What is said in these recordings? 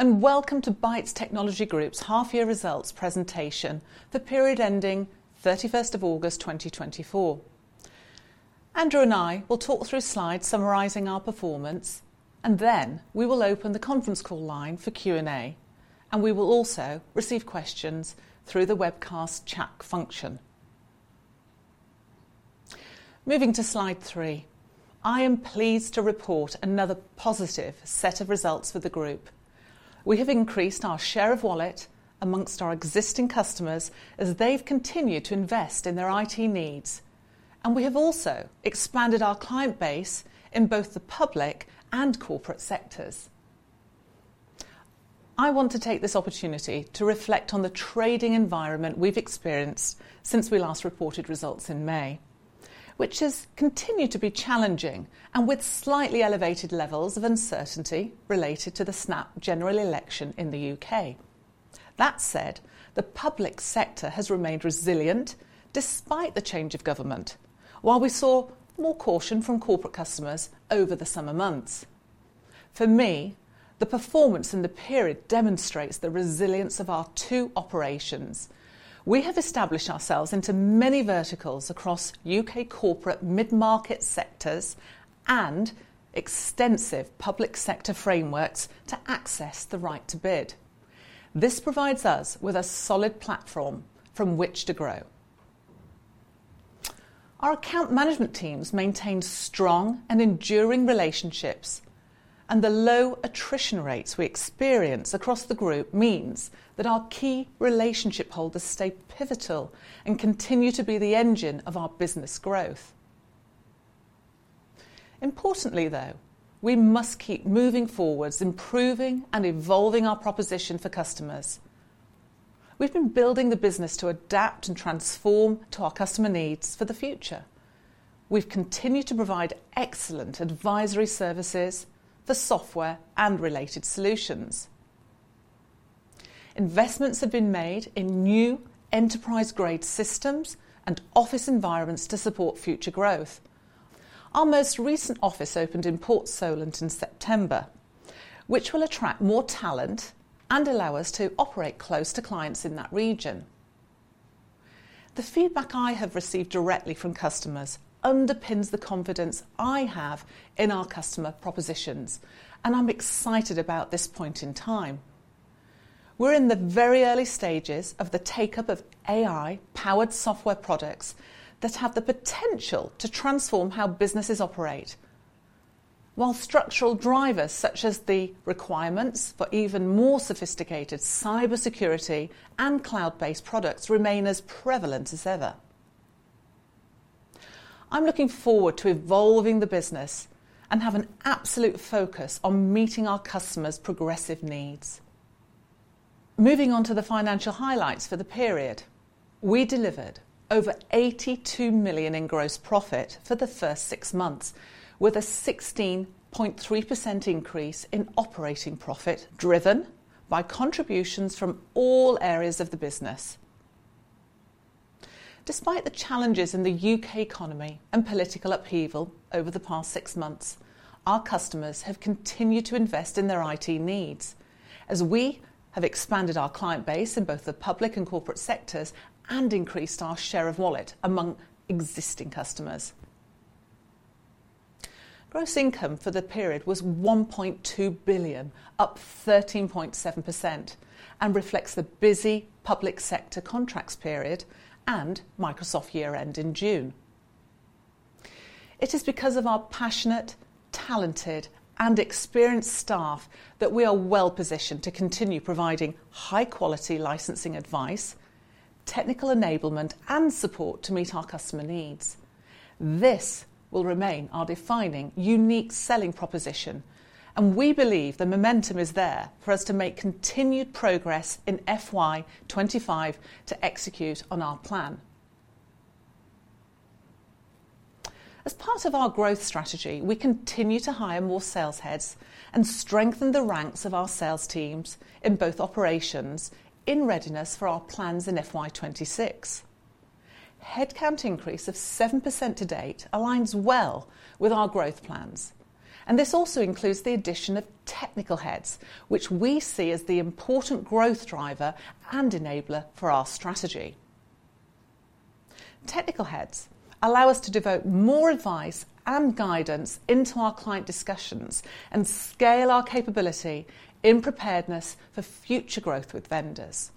Hello, and welcome to Bytes Technology Group's half-year results presentation for the period ending 31st of August, 2024. Andrew and I will talk through slides summarizing our performance, and then we will open the conference call line for Q&A, and we will also receive questions through the webcast chat function. Moving to slide three, I am pleased to report another positive set of results for the group. We have increased our share of wallet among our existing customers as they've continued to invest in their IT needs, and we have also expanded our client base in both the public and corporate sectors. I want to take this opportunity to reflect on the trading environment we've experienced since we last reported results in May, which has continued to be challenging, and with slightly elevated levels of uncertainty related to the snap general election in the U.K. That said, the public sector has remained resilient despite the change of government, while we saw more caution from corporate customers over the summer months. For me, the performance in the period demonstrates the resilience of our two operations. We have established ourselves into many verticals across U.K. corporate mid-market sectors and extensive public sector frameworks to access the right to bid. This provides us with a solid platform from which to grow. Our account management teams maintain strong and enduring relationships, and the low attrition rates we experience across the group means that our key relationship holders stay pivotal and continue to be the engine of our business growth. Importantly, though, we must keep moving forwards, improving and evolving our proposition for customers. We've been building the business to adapt and transform to our customer needs for the future. We've continued to provide excellent advisory services for software and related solutions. Investments have been made in new enterprise-grade systems and office environments to support future growth. Our most recent office opened in Port Solent in September, which will attract more talent and allow us to operate close to clients in that region. The feedback I have received directly from customers underpins the confidence I have in our customer propositions, and I'm excited about this point in time. We're in the very early stages of the take-up of AI-powered software products that have the potential to transform how businesses operate, while structural drivers, such as the requirements for even more sophisticated cybersecurity and cloud-based products, remain as prevalent as ever. I'm looking forward to evolving the business and have an absolute focus on meeting our customers' progressive needs. Moving on to the financial highlights for the period. We delivered over 82 million in gross profit for the first six months, with a 16.3% increase in operating profit, driven by contributions from all areas of the business. Despite the challenges in the U.K. economy and political upheaval over the past six months, our customers have continued to invest in their IT needs as we have expanded our client base in both the public and corporate sectors and increased our share of wallet among existing customers. Gross income for the period was 1.2 billion, up 13.7%, and reflects the busy public sector contracts period and Microsoft year-end in June. It is because of our passionate, talented, and experienced staff that we are well-positioned to continue providing high-quality licensing advice, technical enablement, and support to meet our customer needs. This will remain our defining unique selling proposition, and we believe the momentum is there for us to make continued progress in FY 2025 to execute on our plan. As part of our growth strategy, we continue to hire more sales heads and strengthen the ranks of our sales teams in both operations in readiness for our plans in FY 2026. Headcount increase of 7% to-date aligns well with our growth plans, and this also includes the addition of technical heads, which we see as the important growth driver and enabler for our strategy. Technical heads allow us to devote more advice and guidance into our client discussions and scale our capability in preparedness for future growth with vendors.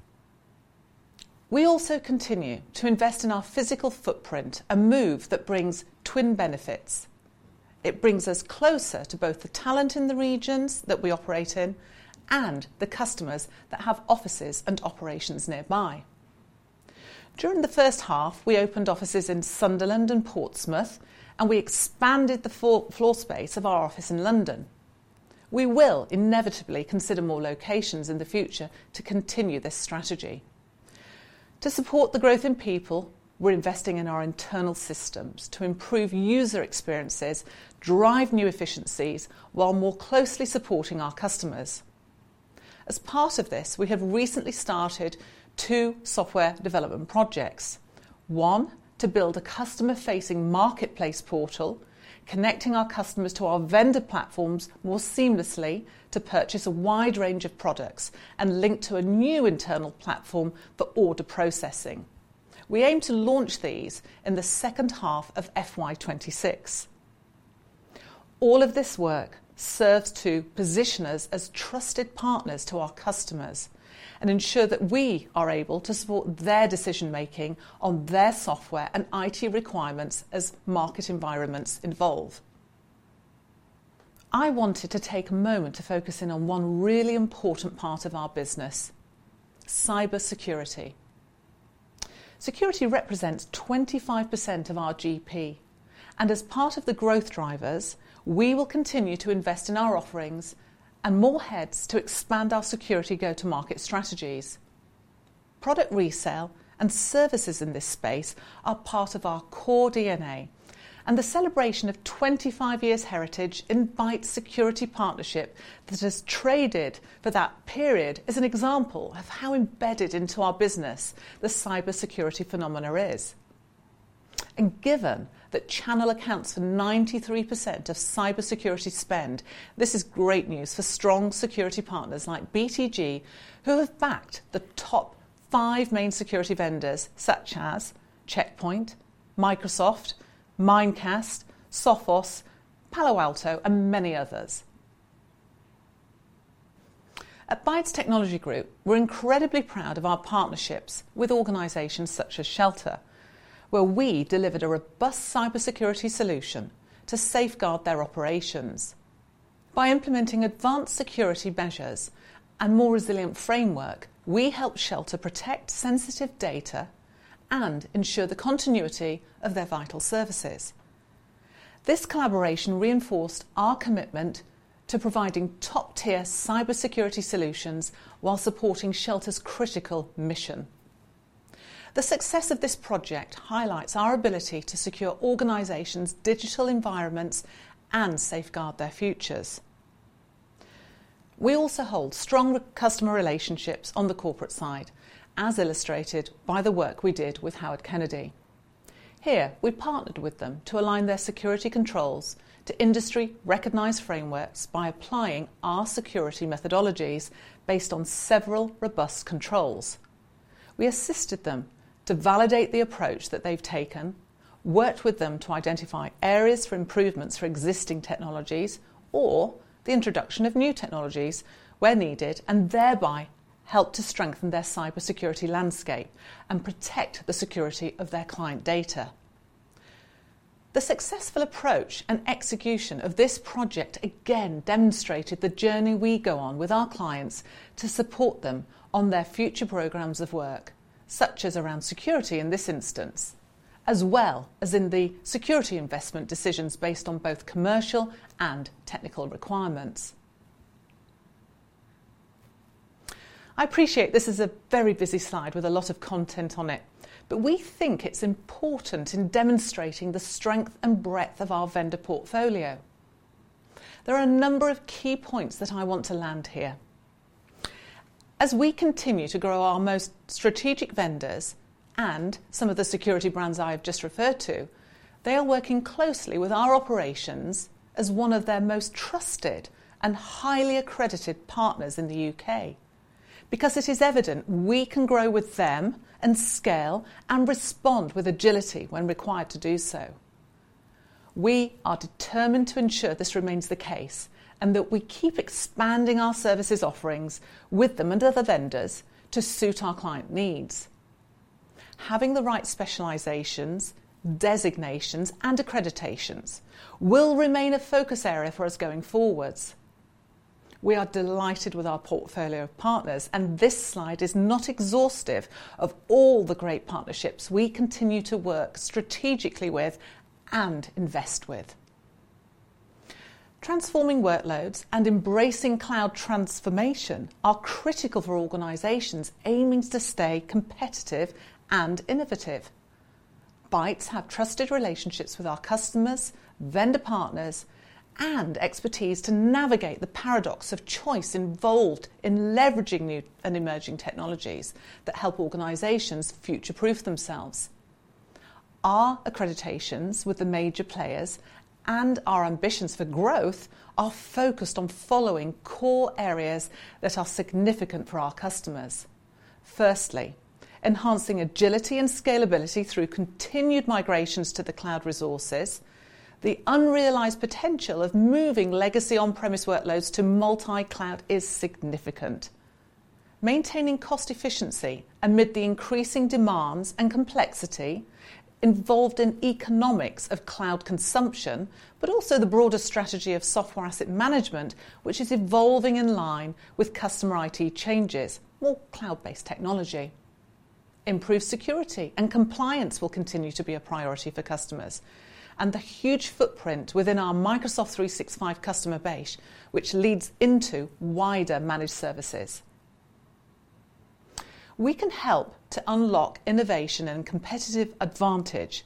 We also continue to invest in our physical footprint, a move that brings twin benefits. It brings us closer to both the talent in the regions that we operate in and the customers that have offices and operations nearby. During the first half, we opened offices in Sunderland and Portsmouth, and we expanded the floor space of our office in London. We will inevitably consider more locations in the future to continue this strategy. To support the growth in people, we're investing in our internal systems to improve user experiences, drive new efficiencies, while more closely supporting our customers. As part of this, we have recently started two software development projects. One, to build a customer-facing marketplace portal, connecting our customers to our vendor platforms more seamlessly to purchase a wide range of products and link to a new internal platform for order processing. We aim to launch these in the second half of FY 2026. All of this work serves to position us as trusted partners to our customers and ensure that we are able to support their decision-making on their software and IT requirements as market environments evolve. I wanted to take a moment to focus in on one really important part of our business, cybersecurity. Security represents 25% of our GP, and as part of the growth drivers, we will continue to invest in our offerings and more heads to expand our security go-to-market strategies. Product resale and services in this space are part of our core DNA, and the celebration of 25 years heritage in Bytes Security Partnerships that has traded for that period is an example of how embedded into our business the cybersecurity phenomena is. Given that channel accounts for 93% of cybersecurity spend, this is great news for strong security partners like BTG, who have backed the top five main security vendors, such as Check Point, Microsoft, Mimecast, Sophos, Palo Alto, and many others. At Bytes Technology Group, we're incredibly proud of our partnerships with organizations such as Shelter, where we delivered a robust cybersecurity solution to safeguard their operations. By implementing advanced security measures and more resilient framework, we helped Shelter protect sensitive data and ensure the continuity of their vital services. This collaboration reinforced our commitment to providing top-tier cybersecurity solutions while supporting Shelter's critical mission. The success of this project highlights our ability to secure organizations' digital environments and safeguard their futures. We also hold strong customer relationships on the corporate side, as illustrated by the work we did with Howard Kennedy. Here, we partnered with them to align their security controls to industry-recognized frameworks by applying our security methodologies based on several robust controls. We assisted them to validate the approach that they've taken, worked with them to identify areas for improvements for existing technologies or the introduction of new technologies where needed, and thereby helped to strengthen their cybersecurity landscape and protect the security of their client data. The successful approach and execution of this project, again, demonstrated the journey we go on with our clients to support them on their future programs of work, such as around security in this instance, as well as in the security investment decisions based on both commercial and technical requirements. I appreciate this is a very busy slide with a lot of content on it, but we think it's important in demonstrating the strength and breadth of our vendor portfolio. There are a number of key points that I want to land here. As we continue to grow our most strategic vendors and some of the security brands I have just referred to, they are working closely with our operations as one of their most trusted and highly accredited partners in the UK because it is evident we can grow with them and scale and respond with agility when required to do so. We are determined to ensure this remains the case, and that we keep expanding our services offerings with them and other vendors to suit our client needs. Having the right specializations, designations, and accreditations will remain a focus area for us going forwards. We are delighted with our portfolio of partners, and this slide is not exhaustive of all the great partnerships we continue to work strategically with and invest with. Transforming workloads and embracing cloud transformation are critical for organizations aiming to stay competitive and innovative. Bytes have trusted relationships with our customers, vendor partners, and expertise to navigate the paradox of choice involved in leveraging new and emerging technologies that help organizations future-proof themselves. Our accreditations with the major players and our ambitions for growth are focused on following core areas that are significant for our customers. Firstly, enhancing agility and scalability through continued migrations to the cloud resources. The unrealized potential of moving legacy on-premise workloads to multi-cloud is significant. Maintaining cost efficiency amid the increasing demands and complexity involved in economics of cloud consumption, but also the broader strategy of software asset management, which is evolving in line with customer IT changes, more cloud-based technology. Improved security and compliance will continue to be a priority for customers, and the huge footprint within our Microsoft 365 customer base, which leads into wider managed services. We can help to unlock innovation and competitive advantage.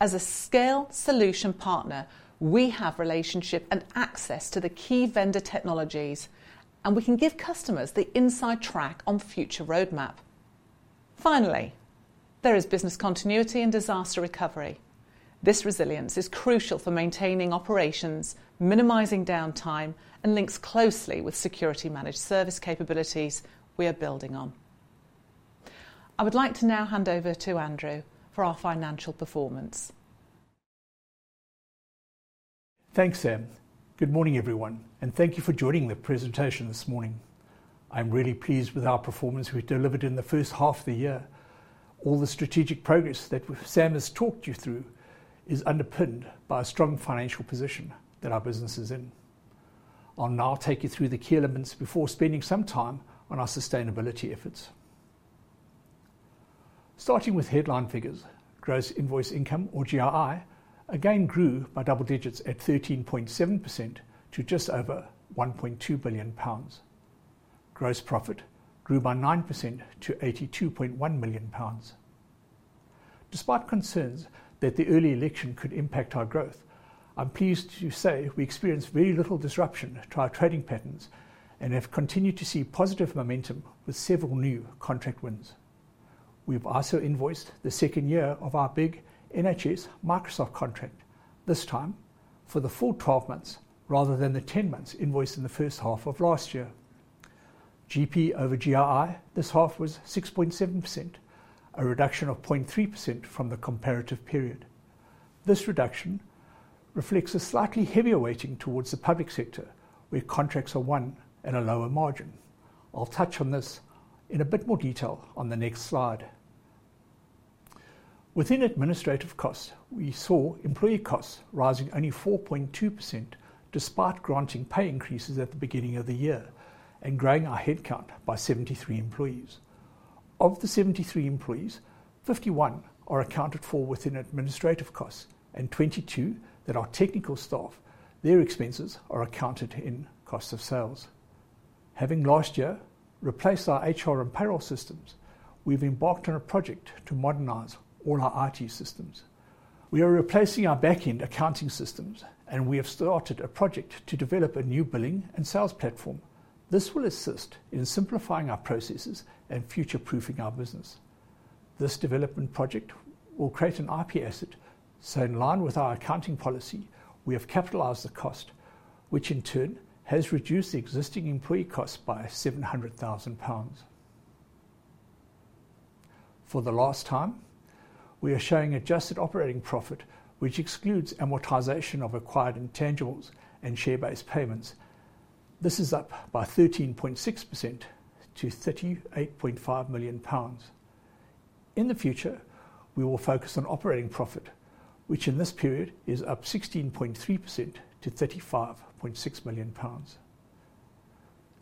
As a scale solution partner, we have relationship and access to the key vendor technologies, and we can give customers the inside track on future roadmap. Finally, there is business continuity and disaster recovery. This resilience is crucial for maintaining operations, minimizing downtime, and links closely with security managed service capabilities we are building on. I would like to now hand over to Andrew for our financial performance. Thanks, Sam. Good morning, everyone, and thank you for joining the presentation this morning. I'm really pleased with our performance we've delivered in the first half of the year. All the strategic progress that Sam has talked you through is underpinned by a strong financial position that our business is in. I'll now take you through the key elements before spending some time on our sustainability efforts. Starting with headline figures, Gross Invoiced Income, or GII, again grew by double digits at 13.7% to just over 1.2 billion pounds. Gross profit grew by 9% to 82.1 million pounds. Despite concerns that the early election could impact our growth, I'm pleased to say we experienced very little disruption to our trading patterns and have continued to see positive momentum with several new contract wins. We've also invoiced the second year of our big NHS Microsoft contract, this time for the full 12 months, rather than the 10 months invoiced in the first half of last year. GP over GII this half was 6.7%, a reduction of 0.3% from the comparative period. This reduction reflects a slightly heavier weighting towards the public sector, where contracts are won at a lower margin. I'll touch on this in a bit more detail on the next slide. Within administrative costs, we saw employee costs rising only 4.2%, despite granting pay increases at the beginning of the year and growing our headcount by 73 employees. Of the 73 employees, 51 are accounted for within administrative costs, and 22 that are technical staff, their expenses are accounted in cost of sales. Having last year replaced our HR and payroll systems, we've embarked on a project to modernize all our IT systems. We are replacing our back-end accounting systems, and we have started a project to develop a new billing and sales platform. This will assist in simplifying our processes and future-proofing our business. This development project will create an IP asset, so in line with our accounting policy, we have capitalized the cost, which in turn has reduced the existing employee costs by 700,000 pounds. For the last time, we are showing adjusted operating profit, which excludes amortization of acquired intangibles and share-based payments. This is up by 13.6% to 38.5 million pounds. In the future, we will focus on operating profit, which in this period is up 16.3% to 35.6 million pounds.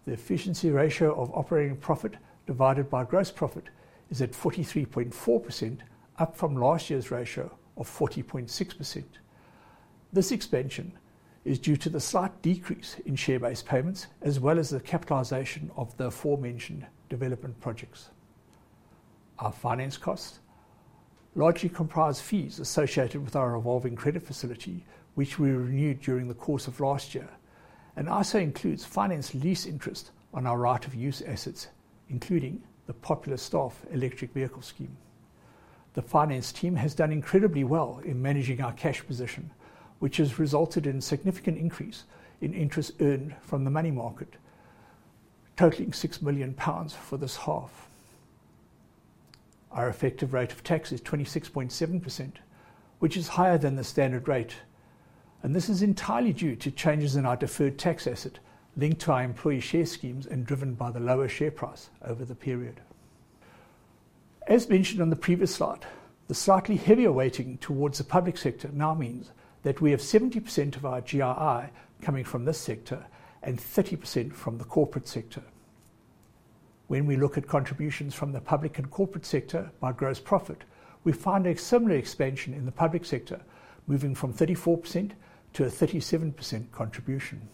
The efficiency ratio of operating profit divided by gross profit is at 43.4%, up from last year's ratio of 40.6%. This expansion is due to the slight decrease in share-based payments, as well as the capitalization of the aforementioned development projects. Our finance costs largely comprise fees associated with our revolving credit facility, which we renewed during the course of last year, and also includes finance lease interest on our right-of-use assets, including the popular staff electric vehicle scheme. The finance team has done incredibly well in managing our cash position, which has resulted in significant increase in interest earned from the money market, totaling 6 million pounds for this half. Our effective rate of tax is 26.7%, which is higher than the standard rate, and this is entirely due to changes in our deferred tax asset linked to our employee share schemes and driven by the lower share price over the period. As mentioned on the previous slide, the slightly heavier weighting towards the public sector now means that we have 70% of our GII coming from this sector and 30% from the corporate sector. When we look at contributions from the public and corporate sector by gross profit, we find a similar expansion in the public sector, moving from 34%-37% contribution.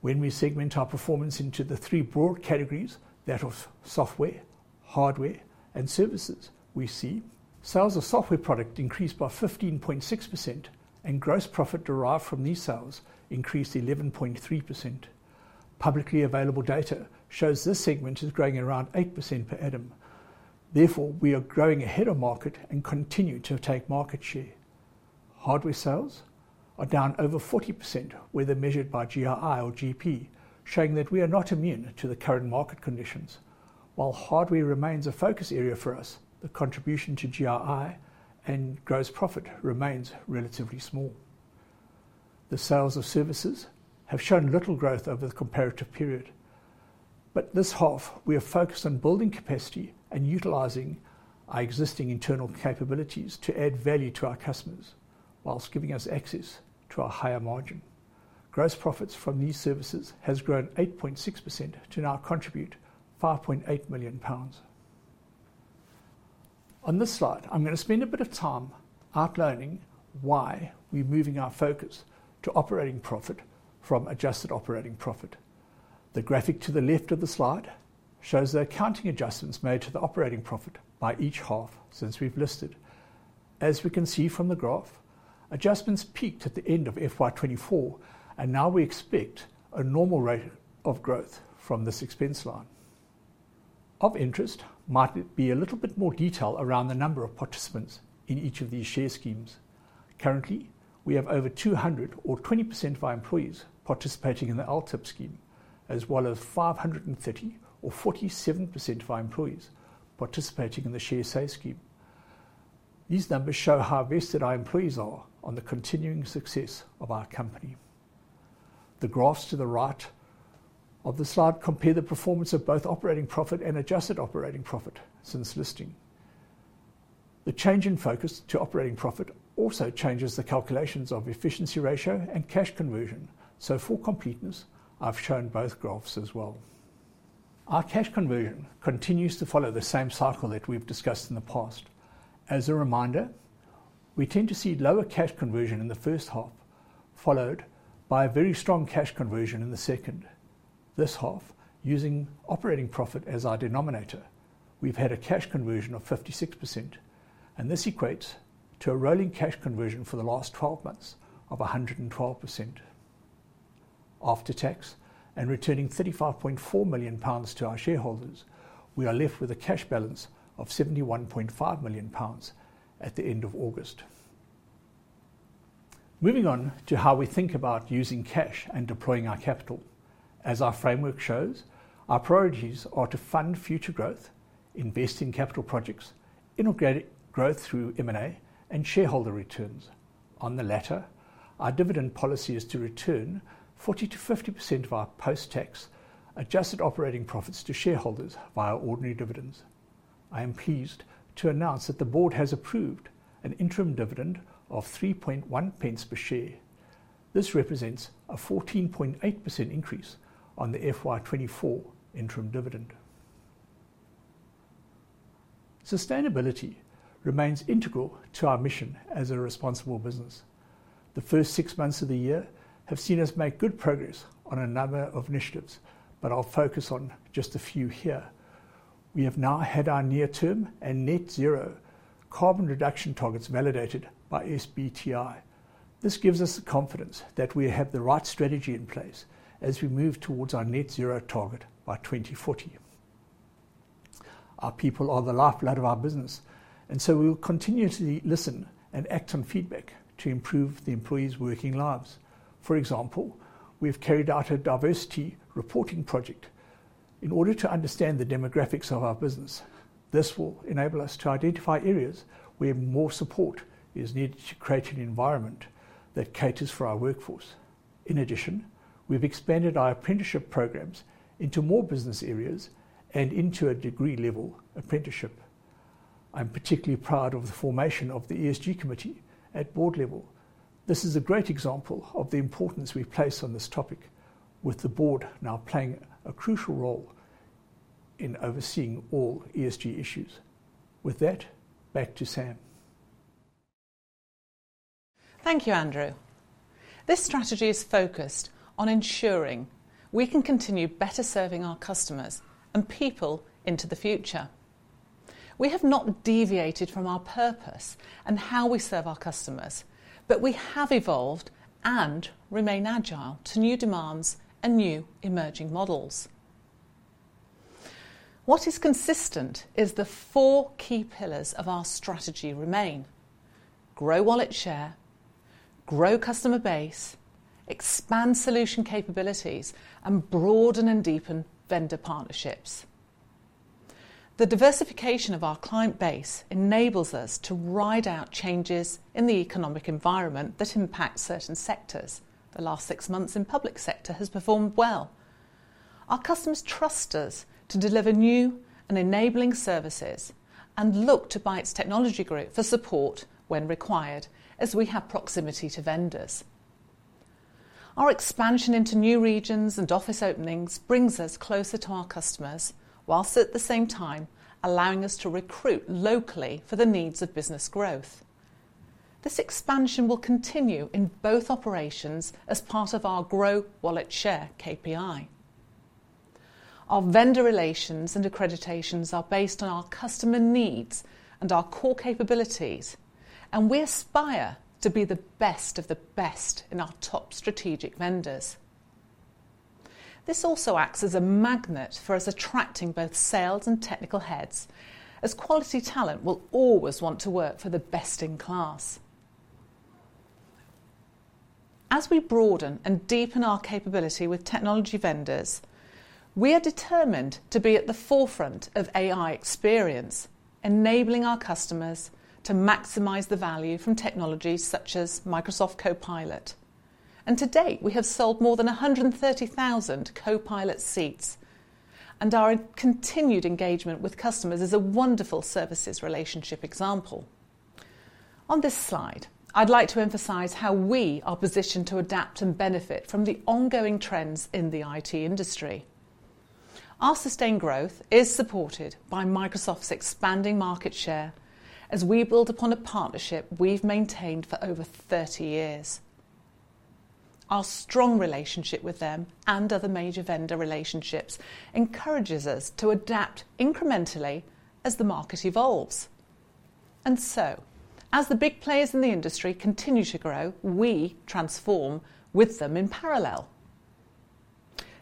When we segment our performance into the three broad categories, that of software, hardware, and services, we see sales of software product increased by 15.6%, and gross profit derived from these sales increased 11.3%. Publicly available data shows this segment is growing around 8% per annum. Therefore, we are growing ahead of market and continue to take market share. Hardware sales are down over 40%, whether measured by GII or GP, showing that we are not immune to the current market conditions. While hardware remains a focus area for us, the contribution to GII and gross profit remains relatively small. The sales of services have shown little growth over the comparative period, but this half, we are focused on building capacity and utilizing our existing internal capabilities to add value to our customers, whilst giving us access to a higher margin. Gross profits from these services has grown 8.6% to now contribute 5.8 million pounds. On this slide, I'm gonna spend a bit of time outlining why we're moving our focus to operating profit from adjusted operating profit. The graphic to the left of the slide shows the accounting adjustments made to the operating profit by each half since we've listed. As we can see from the graph, adjustments peaked at the end of FY 2024, and now we expect a normal rate of growth from this expense line. Of interest might be a little bit more detail around the number of participants in each of these share schemes. Currently, we have over 200, or 20%, of our employees participating in the LTIP scheme, as well as 530, or 47%, of our employees participating in the Sharesave scheme. These numbers show how vested our employees are on the continuing success of our company. The graphs to the right of the slide compare the performance of both operating profit and adjusted operating profit since listing. The change in focus to operating profit also changes the calculations of efficiency ratio and cash conversion. So for completeness, I've shown both graphs as well. Our cash conversion continues to follow the same cycle that we've discussed in the past. As a reminder, we tend to see lower cash conversion in the first half, followed by a very strong cash conversion in the second. This half, using operating profit as our denominator, we've had a cash conversion of 56%, and this equates to a rolling cash conversion for the last 12 months of 112%. After tax and returning GBP 35.4 million to our shareholders, we are left with a cash balance of GBP 71.5 million at the end of August. Moving on to how we think about using cash and deploying our capital. As our framework shows, our priorities are to fund future growth, invest in capital projects, integrate growth through M&A, and shareholder returns. On the latter, our dividend policy is to return 40%-50% of our post-tax adjusted operating profits to shareholders via ordinary dividends. I am pleased to announce that the board has approved an interim dividend of 0.031 per share. This represents a 14.8% increase on the FY 2024 interim dividend. Sustainability remains integral to our mission as a responsible business. The first six months of the year have seen us make good progress on a number of initiatives, but I'll focus on just a few here. We have now had our near-term and net zero carbon reduction targets validated by SBTi. This gives us the confidence that we have the right strategy in place as we move towards our net zero target by 2040. Our people are the lifeblood of our business, and so we will continuously listen and act on feedback to improve the employees' working lives. For example, we've carried out a diversity reporting project in order to understand the demographics of our business. This will enable us to identify areas where more support is needed to create an environment that caters for our workforce. In addition, we've expanded our apprenticeship programs into more business areas and into a degree-level apprenticeship. I'm particularly proud of the formation of the ESG committee at board level. This is a great example of the importance we place on this topic, with the board now playing a crucial role in overseeing all ESG issues. With that, back to Sam. Thank you, Andrew. This strategy is focused on ensuring we can continue better serving our customers and people into the future. We have not deviated from our purpose and how we serve our customers, but we have evolved and remain agile to new demands and new emerging models. What is consistent is the four key pillars of our strategy remain: grow wallet share, grow customer base, expand solution capabilities, and broaden and deepen vendor partnerships. The diversification of our client base enables us to ride out changes in the economic environment that impact certain sectors. The last six months in public sector has performed well. Our customers trust us to deliver new and enabling services and look to Bytes Technology Group for support when required, as we have proximity to vendors. Our expansion into new regions and office openings brings us closer to our customers, while at the same time allowing us to recruit locally for the needs of business growth. This expansion will continue in both operations as part of our grow wallet share KPI. Our vendor relations and accreditations are based on our customer needs and our core capabilities, and we aspire to be the best of the best in our top strategic vendors. This also acts as a magnet for us, attracting both sales and technical heads, as quality talent will always want to work for the best-in-class. As we broaden and deepen our capability with technology vendors, we are determined to be at the forefront of AI experience, enabling our customers to maximize the value from technologies such as Microsoft Copilot. To-date, we have sold more than a hundred and thirty thousand Copilot seats, and our continued engagement with customers is a wonderful services relationship example. On this slide, I'd like to emphasize how we are positioned to adapt and benefit from the ongoing trends in the IT industry. Our sustained growth is supported by Microsoft's expanding market share as we build upon a partnership we've maintained for over 30 years. Our strong relationship with them and other major vendor relationships encourages us to adapt incrementally as the market evolves. As the big players in the industry continue to grow, we transform with them in parallel.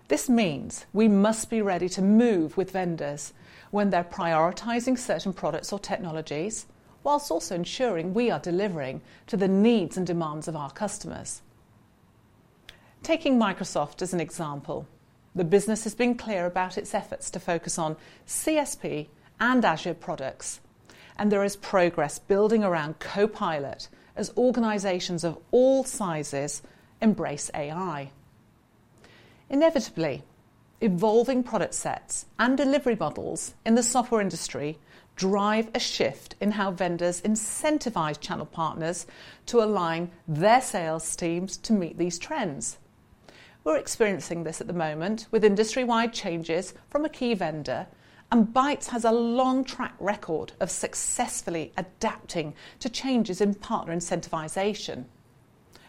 This means we must be ready to move with vendors when they're prioritizing certain products or technologies, while also ensuring we are delivering to the needs and demands of our customers. Taking Microsoft as an example, the business has been clear about its efforts to focus on CSP and Azure products, and there is progress building around Copilot as organizations of all sizes embrace AI. Inevitably, evolving product sets and delivery models in the software industry drive a shift in how vendors incentivize channel partners to align their sales teams to meet these trends. We're experiencing this at the moment with industry-wide changes from a key vendor, and Bytes has a long track record of successfully adapting to changes in partner incentivization.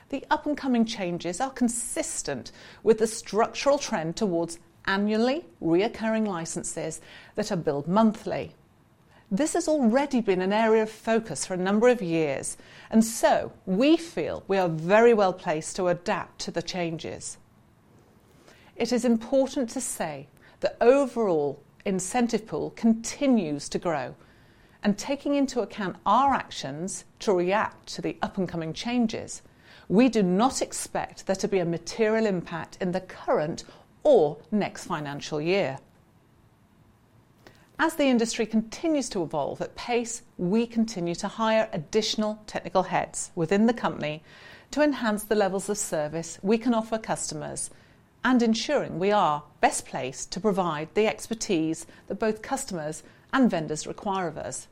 The up-and-coming changes are consistent with the structural trend towards annually recurring licenses that are billed monthly. This has already been an area of focus for a number of years, and so we feel we are very well placed to adapt to the changes. It is important to say the overall incentive pool continues to grow, and taking into account our actions to react to the up-and-coming changes, we do not expect there to be a material impact in the current or next financial year. As the industry continues to evolve at pace, we continue to hire additional technical heads within the company to enhance the levels of service we can offer customers and ensuring we are best placed to provide the expertise that both customers and vendors require of us.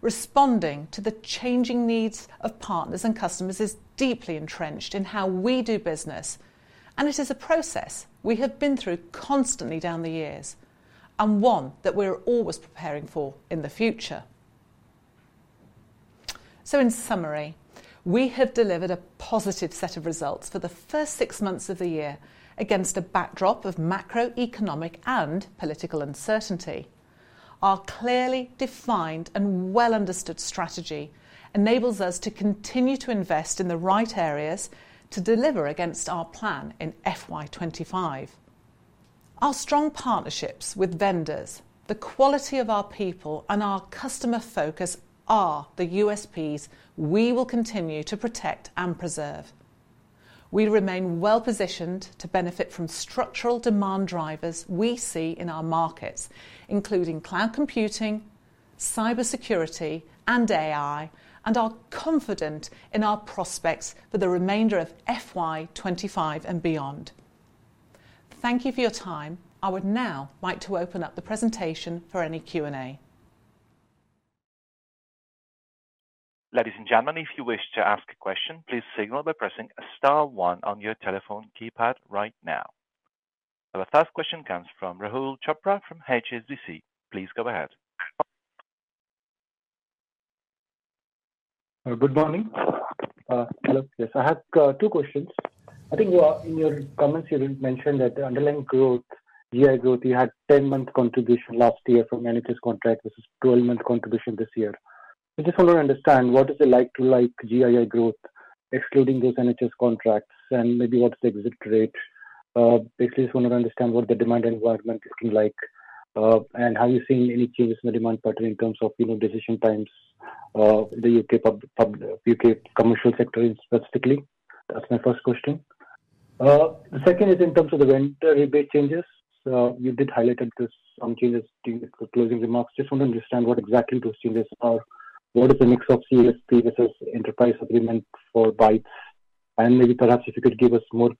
Responding to the changing needs of partners and customers is deeply entrenched in how we do business, and it is a process we have been through constantly down the years, and one that we're always preparing for in the future. So in summary, we have delivered a positive set of results for the first six months of the year against a backdrop of macroeconomic and political uncertainty. Our clearly defined and well-understood strategy enables us to continue to invest in the right areas to deliver against our plan in FY 2025. Our strong partnerships with vendors, the quality of our people, and our customer focus are the USPs we will continue to protect and preserve. We remain well-positioned to benefit from structural demand drivers we see in our markets, including cloud computing, cybersecurity, and AI, and are confident in our prospects for the remainder of FY 2025 and beyond. Thank you for your time. I would now like to open up the presentation for any Q&A. Ladies and gentlemen, if you wish to ask a question, please signal by pressing star one on your telephone keypad right now. Our first question comes from Rahul Chopra from HSBC. Please go ahead. Good morning. Hello. Yes, I have two questions. I think in your comments, you mentioned that the underlying growth, GII growth, you had ten-month contribution last year from NHS contract versus 12-month contribution this year. I just want to understand, what is it like to, like, GII growth, excluding those NHS contracts, and maybe what's the exit rate? Basically, I just want to understand what the demand environment is looking like and have you seen any changes in the demand pattern in terms of, you know, decision times, the U.K. commercial sector specifically? That's my first question. The second is in terms of the vendor rebate changes. So you did highlight into some changes during the closing remarks. Just want to understand what exactly those changes are. What is the mix of CSP versus Enterprise Agreement for Bytes? Maybe perhaps if you could give us more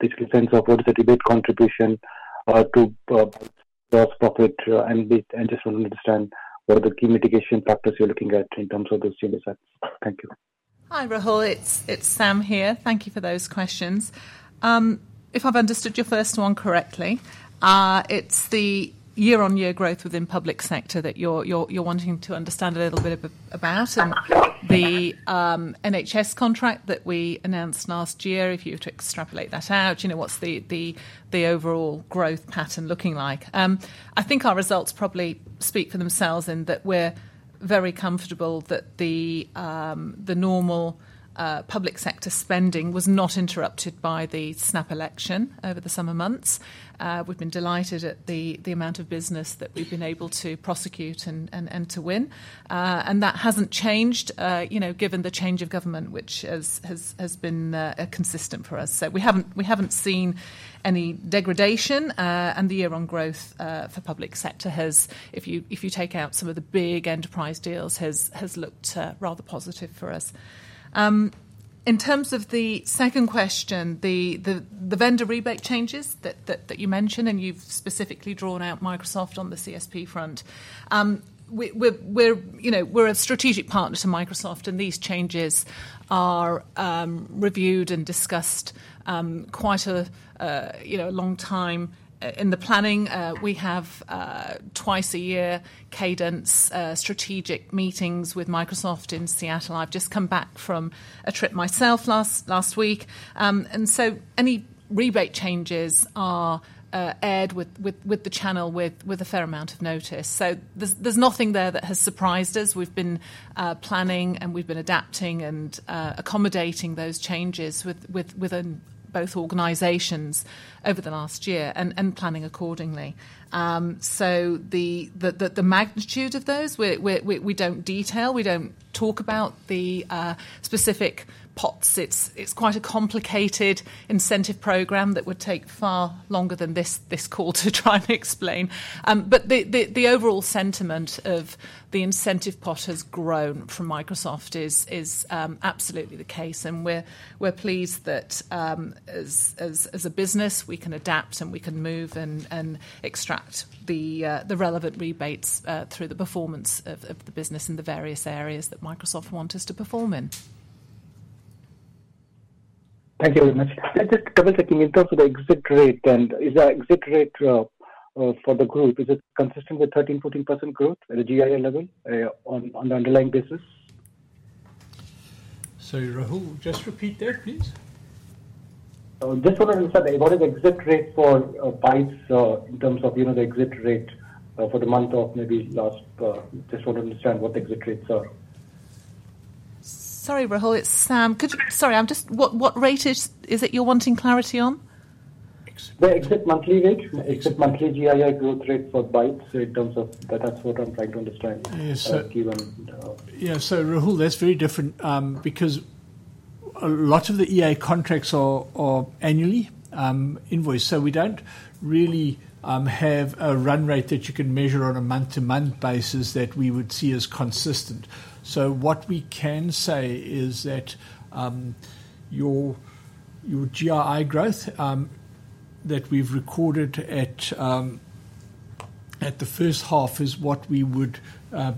basic sense of what is the rebate contribution to gross profit, and we just want to understand what are the key mitigation factors you're looking at in terms of those changes. Thank you. Hi, Rahul. It's Sam here. Thank you for those questions. If I've understood your first one correctly, it's the year-on-year growth within public sector that you're wanting to understand a little bit about, and the NHS contract that we announced last year, if you were to extrapolate that out, you know, what's the overall growth pattern looking like? I think our results probably speak for themselves in that we're very comfortable that the normal public sector spending was not interrupted by the snap election over the summer months. We've been delighted at the amount of business that we've been able to prosecute and to win, and that hasn't changed, you know, given the change of government, which has been consistent for us. So we haven't seen any degradation, and the year-on-year growth for public sector has, if you take out some of the big enterprise deals, looked rather positive for us. In terms of the second question, the vendor rebate changes that you mentioned, and you've specifically drawn out Microsoft on the CSP front. We're, you know, a strategic partner to Microsoft, and these changes are reviewed and discussed quite a, you know, a long time in the planning. We have twice-a-year cadence strategic meetings with Microsoft in Seattle. I've just come back from a trip myself last week. So any rebate changes are aired with the channel with a fair amount of notice. There's nothing there that has surprised us. We've been planning, and we've been adapting and accommodating those changes within both organizations over the last year and planning accordingly. The magnitude of those we don't detail, we don't talk about the specific pots. It's quite a complicated incentive program that would take far longer than this call to try and explain. The overall sentiment of the incentive pot has grown from Microsoft is absolutely the case, and we're pleased that, as a business, we can adapt, and we can move and extract the relevant rebates through the performance of the business in the various areas that Microsoft want us to perform in. Thank you very much. Just double-checking in terms of the exit rate, then, is the exit rate for the group, is it consistent with 13%-14% growth at a GII level, on the underlying basis? Sorry, Rahul, just repeat that, please. Just wanted to understand what is the exit rate for Bytes in terms of, you know, the exit rate for the month of maybe last. Just want to understand what the exit rates are. Sorry, Rahul, it's Sam. What rate is it you're wanting clarity on? The exit monthly rate, exit monthly GII growth rate for Bytes in terms of... That is what I'm trying to understand. Yes, sir. Given, uh- Yeah, so Rahul, that's very different, because a lot of the EA contracts are annually invoiced, so we don't really have a run rate that you can measure on a month-to-month basis that we would see as consistent. So what we can say is that your GII growth that we've recorded at the first half is what we would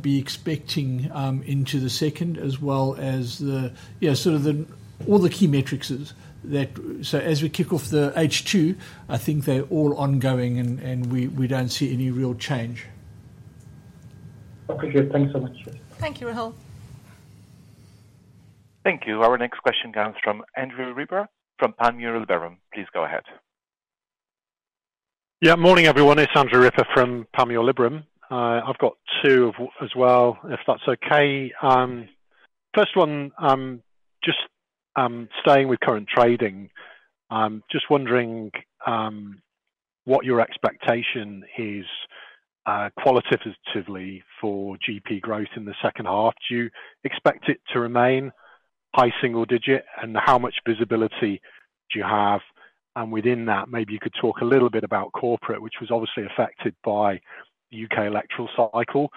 be expecting into the second, as well as the... Yeah, sort of the all the key metrics is that, so as we kick off the H2, I think they're all ongoing, and we don't see any real change. Okay, good. Thanks so much. Thank you, Rahul. Thank you. Our next question comes from Andrew Ripper from Panmure Liberum. Please go ahead. Yeah, morning, everyone. It's Andrew Ripper from Panmure Liberum. I've got two as well, if that's okay. First one, just staying with current trading, just wondering what your expectation is, qualitatively for GP growth in the second half. Do you expect it to remain high single digit, and how much visibility do you have? Within that, maybe you could talk a little bit about corporate, which was obviously affected by the U.K. electoral cycle.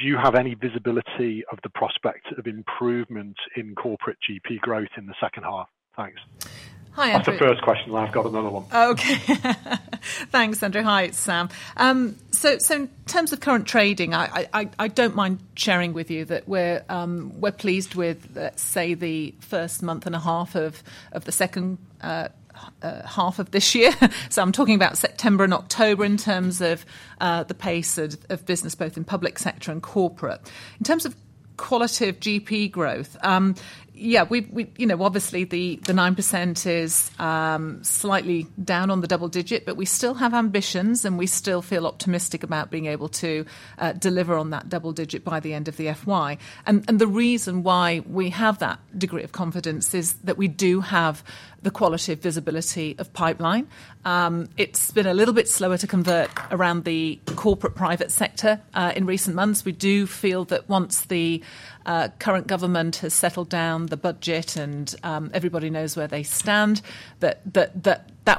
Do you have any visibility of the prospect of improvement in corporate GP growth in the second half? Thanks. Hi, Andrew. That's the first question. I've got another one. Okay. Thanks, Andrew. Hi, it's Sam. So in terms of current trading, I don't mind sharing with you that we're pleased with, let's say, the first month and a half of the second half of this year. So I'm talking about September and October in terms of the pace of business, both in public sector and corporate. In terms of qualitative GP growth, yeah. You know, obviously, the 9% is slightly down on the double digit, but we still have ambitions, and we still feel optimistic about being able to deliver on that double digit by the end of the FY and the reason why we have that degree of confidence is that we do have the quality of visibility of pipeline. It's been a little bit slower to convert around the corporate private sector in recent months. We do feel that once the current government has settled down the budget and everybody knows where they stand, that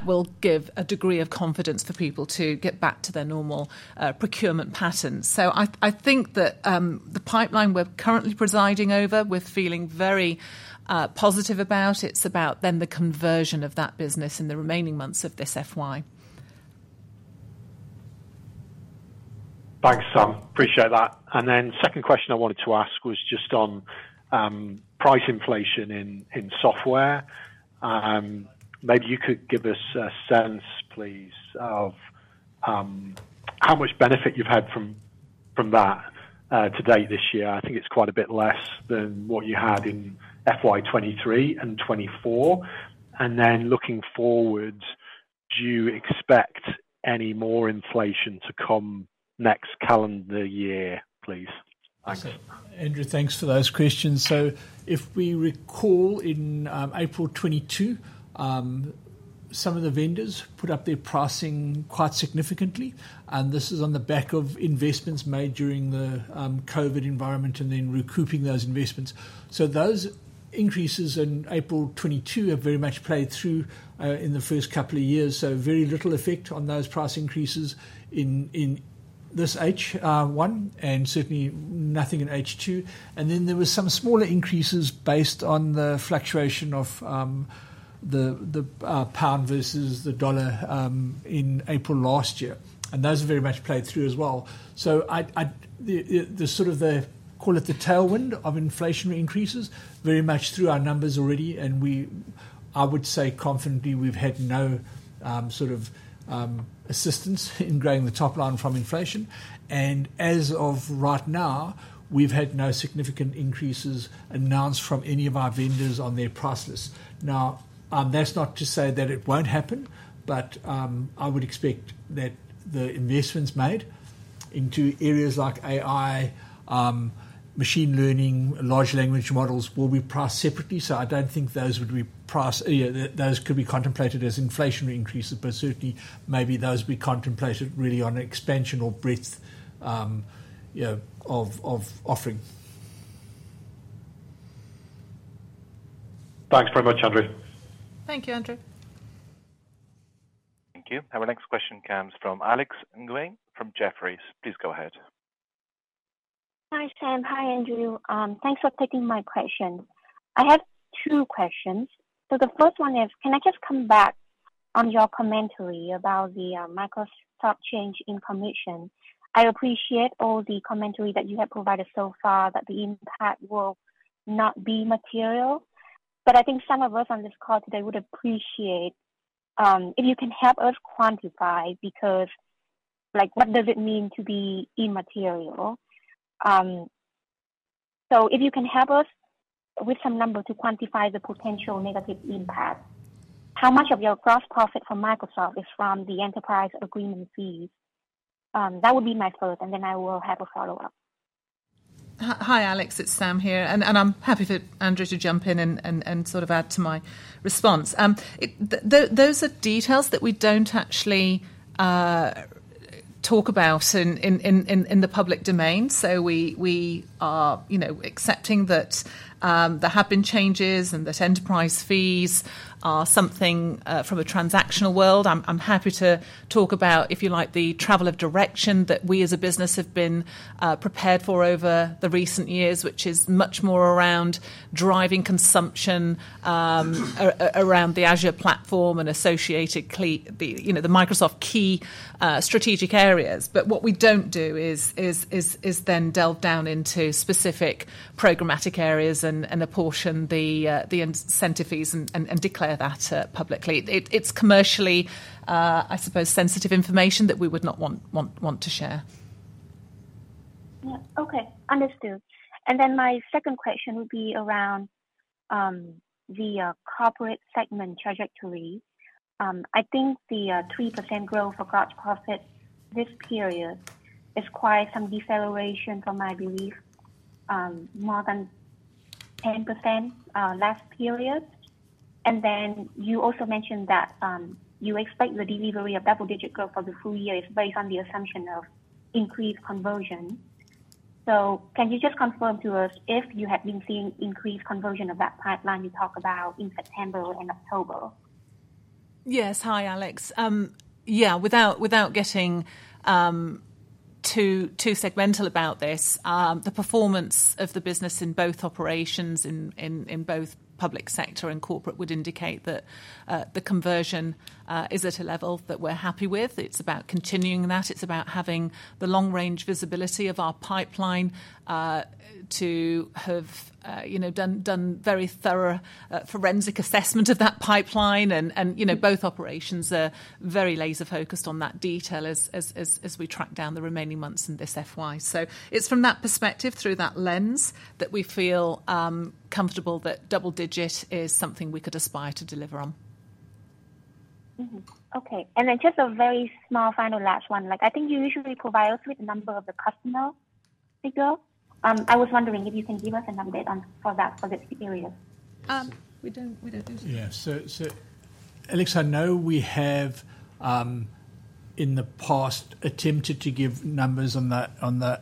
will give a degree of confidence for people to get back to their normal procurement patterns. So I think that the pipeline we're currently presiding over, we're feeling very positive about. It's about then the conversion of that business in the remaining months of this FY. Thanks, Sam. Appreciate that. Then second question I wanted to ask was just on price inflation in software. Maybe you could give us a sense, please, of how much benefit you've had from that to date this year. I think it's quite a bit less than what you had in FY 2023 and 2024. Then, looking forward, do you expect any more inflation to come next calendar year, please? Thanks. Andrew, thanks for those questions. So if we recall, in April 2022, some of the vendors put up their pricing quite significantly, and this is on the back of investments made during the COVID environment and then recouping those investments. So those increases in April 2022 have very much played through in the first couple of years. So very little effect on those price increases in this H1, and certainly nothing in H2. Then there were some smaller increases based on the fluctuation of the pound versus the dollar in April last year, and those very much played through as well. So, the sort of, call it the tailwind of inflationary increases, very much through our numbers already, and we—I would say confidently, we've had no sort of assistance in growing the top line from inflation. As of right now, we've had no significant increases announced from any of our vendors on their prices. Now, that's not to say that it won't happen, but I would expect that the investments made into areas like AI, machine learning, large language models will be priced separately, so I don't think those would be priced. Those could be contemplated as inflationary increases. But certainly, maybe those be contemplated really on expansion or breadth, you know, of offering. Thanks very much, Andrew. Thank you, Andrew. Thank you. Our next question comes from Alex Nguyen from Jefferies. Please go ahead. Hi, Sam. Hi, Andrew. Thanks for taking my questions. I have two questions. So the first one is: Can I just come back on your commentary about the Microsoft change in commission? I appreciate all the commentary that you have provided so far, that the impact will not be material, but I think some of us on this call today would appreciate if you can help us quantify, because, like, what does it mean to be immaterial? So if you can help us with some numbers to quantify the potential negative impact, how much of your gross profit from Microsoft is from the Enterprise Agreement fees? That would be my first, and then I will have a follow-up. Hi, Alex, it's Sam here, and I'm happy for Andrew to jump in and sort of add to my response. Those are details that we don't actually talk about in the public domain. So we are, you know, accepting that there have been changes and that enterprise fees are something from a transactional world. I'm happy to talk about, if you like, the travel of direction that we, as a business, have been prepared for over the recent years, which is much more around driving consumption around the Azure platform and associated key, you know, the Microsoft key strategic areas. But what we don't do is then delve down into specific programmatic areas and apportion the incentive fees and declare that publicly. It's commercially, I suppose, sensitive information that we would not want to share. Yeah. Okay, understood. Then my second question would be around the corporate segment trajectory. I think the 3% growth for gross profit this period is quite some deceleration from, I believe, more than 10%, last period. Then you also mentioned that you expect the delivery of double-digit growth for the full year is based on the assumption of increased conversion. So can you just confirm to us if you have been seeing increased conversion of that pipeline you talked about in September and October? Yes. Hi, Alex. Yeah, without getting too segmental about this, the performance of the business in both operations in both public sector and corporate would indicate that the conversion is at a level that we're happy with. It's about continuing that. It's about having the long-range visibility of our pipeline to have you know done very thorough forensic assessment of that pipeline and you know both operations are very laser-focused on that detail as we track down the remaining months in this FY. So it's from that perspective, through that lens, that we feel comfortable that double digit is something we could aspire to deliver on. Okay, and then just a very small final last one. Like, I think you usually provide us with the number of the customer figure. I was wondering if you can give us an update on that for this period. We don't do that. Yeah. So, Alex, I know we have, in the past, attempted to give numbers on the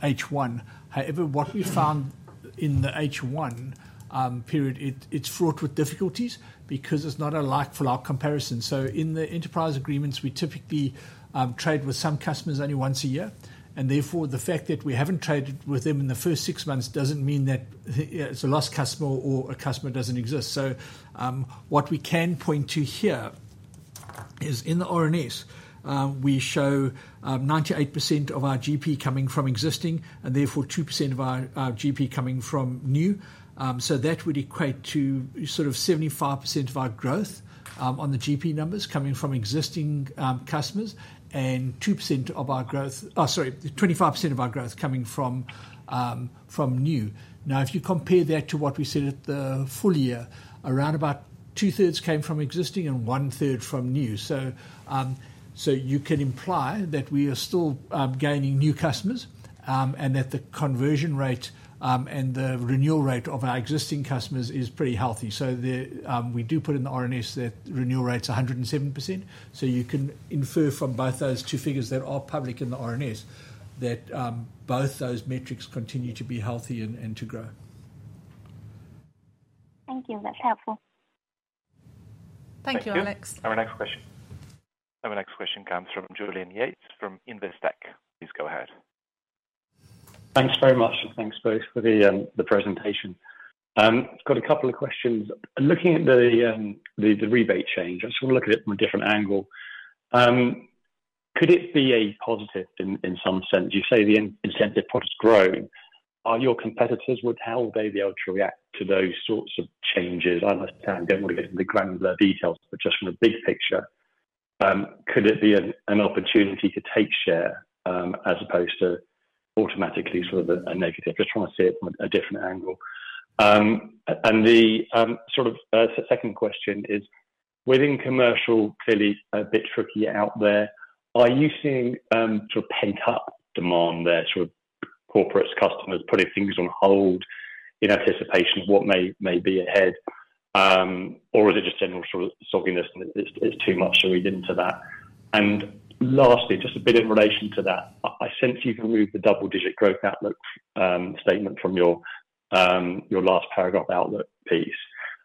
H1. However, what we found in the H1 period, it's fraught with difficulties because it's not a like-for-like comparison. So in the Enterprise Agreement, we typically trade with some customers only once a year, and therefore, the fact that we haven't traded with them in the first six months doesn't mean that it's a lost customer or a customer doesn't exist. So, what we can point to here is in the RNS, we show 98% of our GP coming from existing, and therefore, 2% of our GP coming from new. So that would equate to sort of 75% of our growth on the GP numbers coming from existing customers, and 2% of our growth, 25% of our growth coming from new. Now, if you compare that to what we said at the full year, around about 2/3 came from existing and 1/3 from new. So you can imply that we are still gaining new customers and that the conversion rate and the renewal rate of our existing customers is pretty healthy. So we do put in the RNS that renewal rate is 107%, so you can infer from both those two figures that are public in the RNS that both those metrics continue to be healthy and to grow. Thank you. That's helpful. Thank you, Alex. Thank you. Our next question. Our next question comes from Julian Yates from Investec. Please go ahead. Thanks very much, and thanks both for the presentation. I've got a couple of questions. Looking at the rebate change, I just want to look at it from a different angle. Could it be a positive in some sense? You say the incentive pot has grown. Are your competitors, how will they be able to react to those sorts of changes? I understand, don't want to get into the granular details, but just from a big picture, could it be an opportunity to take share, as opposed to automatically sort of a negative? Just trying to see it from a different angle. The sort of second question is, within commercial, clearly a bit tricky out there, are you seeing sort of pent-up demand there, sort of corporates, customers, putting things on hold in anticipation of what may be ahead or is it just general sort of sogginess, and it's too much to read into that? Lastly, just a bit in relation to that, I sense you can remove the double-digit growth outlook statement from your last paragraph outlook piece.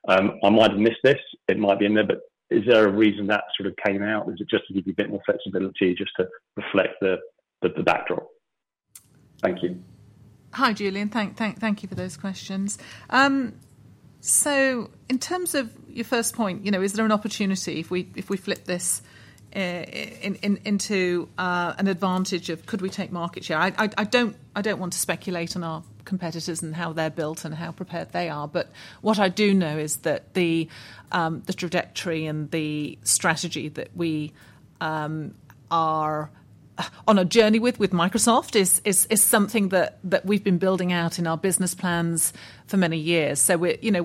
I might have missed this, it might be in there, but is there a reason that sort of came out? Is it just to give you a bit more flexibility just to reflect the backdrop? Thank you. Hi, Julian. Thank you for those questions. So in terms of your first point, you know, is there an opportunity if we flip this into an advantage? Could we take market share? I don't want to speculate on our competitors and how they're built and how prepared they are. What I do know is that the trajectory and the strategy that we are on a journey with Microsoft is something that we've been building out in our business plans for many years. So we're, you know,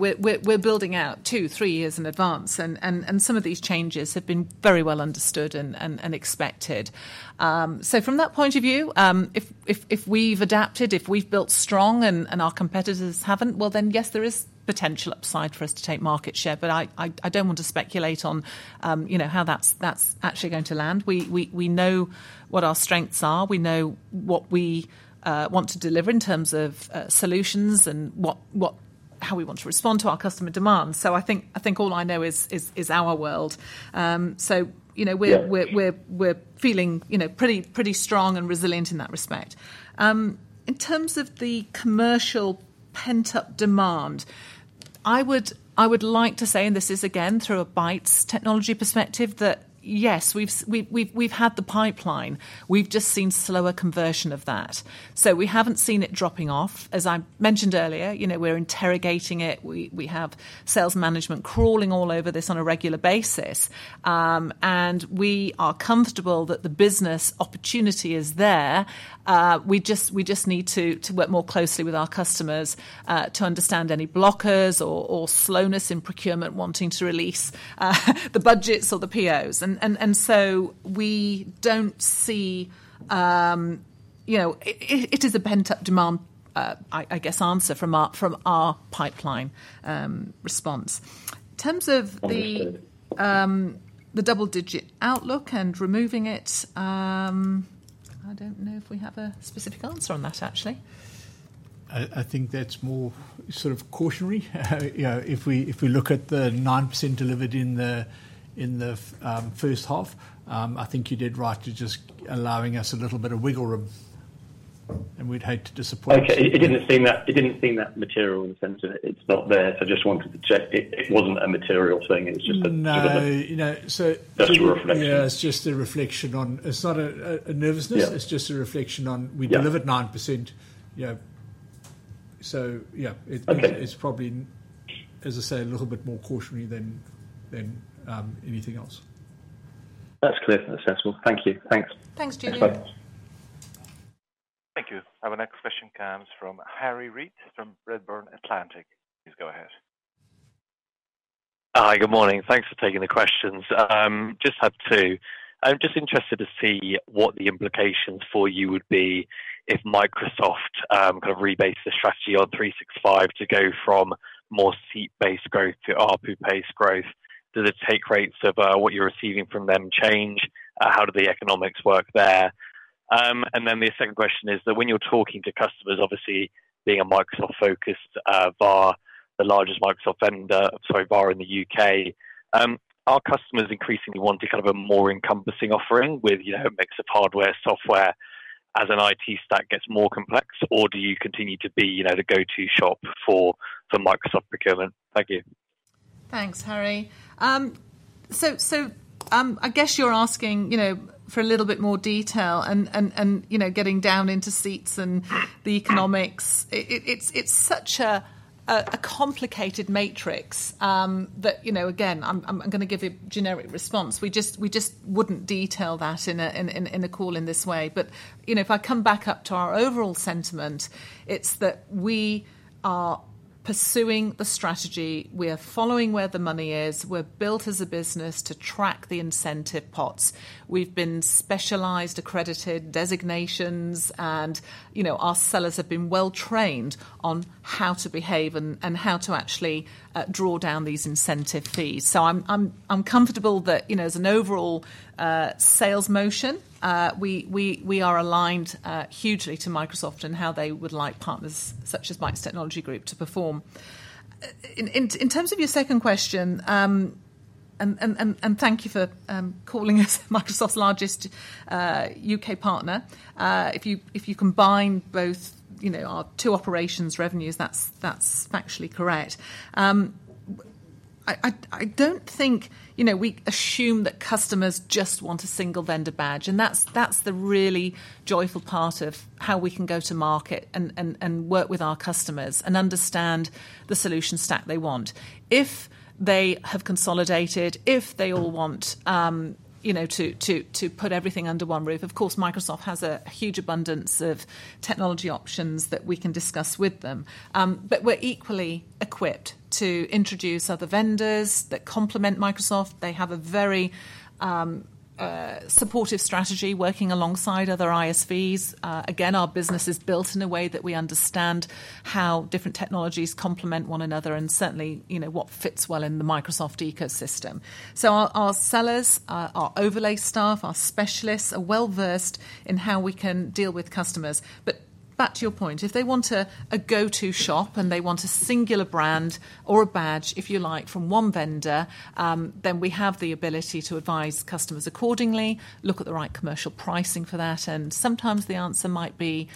building out two, three years in advance, and some of these changes have been very well understood and expected. So from that point of view, if we've adapted, if we've built strong and our competitors haven't, well, then, yes, there is potential upside for us to take market share, but I don't want to speculate on, you know, how that's actually going to land. We know what our strengths are. We know what we want to deliver in terms of solutions and how we want to respond to our customer demands. So I think all I know is our world. So, you know, we're feeling, you know, pretty strong and resilient in that respect. In terms of the commercial pent-up demand, I would like to say, and this is again, through a Bytes Technology perspective, that yes, we've had the pipeline. We've just seen slower conversion of that. So we haven't seen it dropping off. As I mentioned earlier, you know, we're interrogating it. We have sales management crawling all over this on a regular basis and we are comfortable that the business opportunity is there. We just need to work more closely with our customers to understand any blockers or slowness in procurement, wanting to release the budgets or the POs. So we don't see... You know, it is a pent-up demand. I guess answer from our pipeline response. In terms of the double-digit outlook and removing it, I don't know if we have a specific answer on that, actually. I think that's more sort of cautionary. You know, if we look at the 9% delivered in the first half, I think you did right to just allowing us a little bit of wiggle room, and we'd hate to disappoint. Okay. It didn't seem that material in the sense that it's not there. So I just wanted to check. It wasn't a material thing. It was just a- No, you know, so- Just a reflection. Yeah, it's just a reflection on... It's not a nervousness. Yeah. It's just a reflection on we delivered 9%, you know, so yeah. Okay. It's probably, as I say, a little bit more cautionary than anything else. That's clear, and that's helpful. Thank you. Thanks. Thanks, Julian. Thanks. Thank you. Our next question comes from Harry Read, from Redburn Atlantic. Please go ahead. Hi, good morning. Thanks for taking the questions. Just have two. I'm just interested to see what the implications for you would be if Microsoft kind of rebases the strategy on 365 to go from more seat-based growth to ARPU-based growth. Do the take rates of what you're receiving from them change? How do the economics work there? Then the second question is that when you're talking to customers, obviously, being a Microsoft-focused VAR, the largest Microsoft vendor, sorry, VAR in the U.K., are customers increasingly wanting kind of a more encompassing offering with, you know, a mix of hardware, software, as an IT stack gets more complex? or do you continue to be, you know, the go-to shop for the Microsoft procurement? Thank you. Thanks, Harry, so I guess you're asking, you know, for a little bit more detail and you know, getting down into seats and the economics. It's such a complicated matrix that, you know, again, I'm gonna give a generic response. We just wouldn't detail that in a call in this way, but you know, if I come back up to our overall sentiment, it's that we are pursuing the strategy. We are following where the money is. We're built as a business to track the incentive pots. We've been specialized, accredited, designations, and, you know, our sellers have been well-trained on how to behave and how to actually draw down these incentive fees. So I'm comfortable that, you know, as an overall sales motion, we are aligned hugely to Microsoft and how they would like partners such as Bytes Technology Group to perform. In terms of your second question. Thank you for calling us Microsoft's largest U.K. partner. If you combine both, you know, our two operations revenues, that's actually correct. I don't think, you know, we assume that customers just want a single vendor badge, and that's the really joyful part of how we can go to market and work with our customers and understand the solution stack they want. If they have consolidated, if they all want, you know, to put everything under one roof, of course, Microsoft has a huge abundance of technology options that we can discuss with them. But we're equally equipped to introduce other vendors that complement Microsoft. They have a very supportive strategy working alongside other ISVs. Again, our business is built in a way that we understand how different technologies complement one another and certainly, you know, what fits well in the Microsoft ecosystem. So our sellers, our overlay staff, our specialists, are well-versed in how we can deal with customers. But back to your point, if they want a go-to shop, and they want a singular brand or a badge, if you like, from one vendor, then we have the ability to advise customers accordingly, look at the right commercial pricing for that, and sometimes the answer might be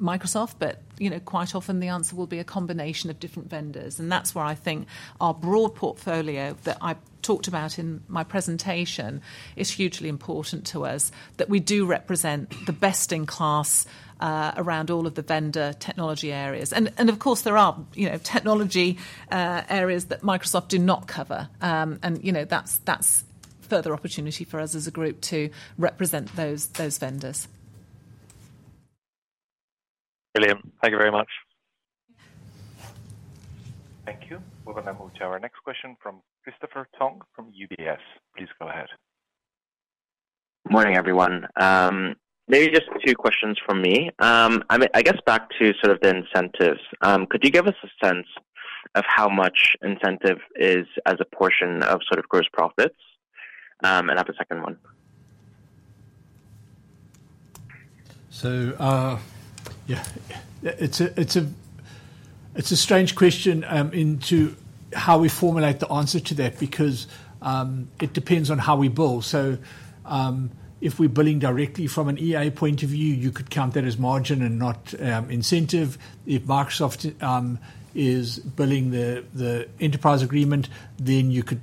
Microsoft, but, you know, quite often the answer will be a combination of different vendors. That's where I think our broad portfolio that I talked about in my presentation is hugely important to us, that we do represent the best-in-class around all of the vendor technology areas. Of course, there are, you know, technology areas that Microsoft do not cover. And, you know, that's further opportunity for us as a group to represent those vendors. Brilliant. Thank you very much. Thank you. We're gonna move to our next question from Christopher Tong from UBS. Please go ahead. Morning, everyone. Maybe just two questions from me. I mean, I guess back to sort of the incentives. Could you give us a sense of how much incentive is as a portion of sort of gross profits? I have a second one. Yeah, it's a strange question as to how we formulate the answer to that, because it depends on how we bill. So, if we're billing directly from an EA point of view, you could count that as margin and not incentive. If Microsoft is billing the Enterprise Agreement, then you could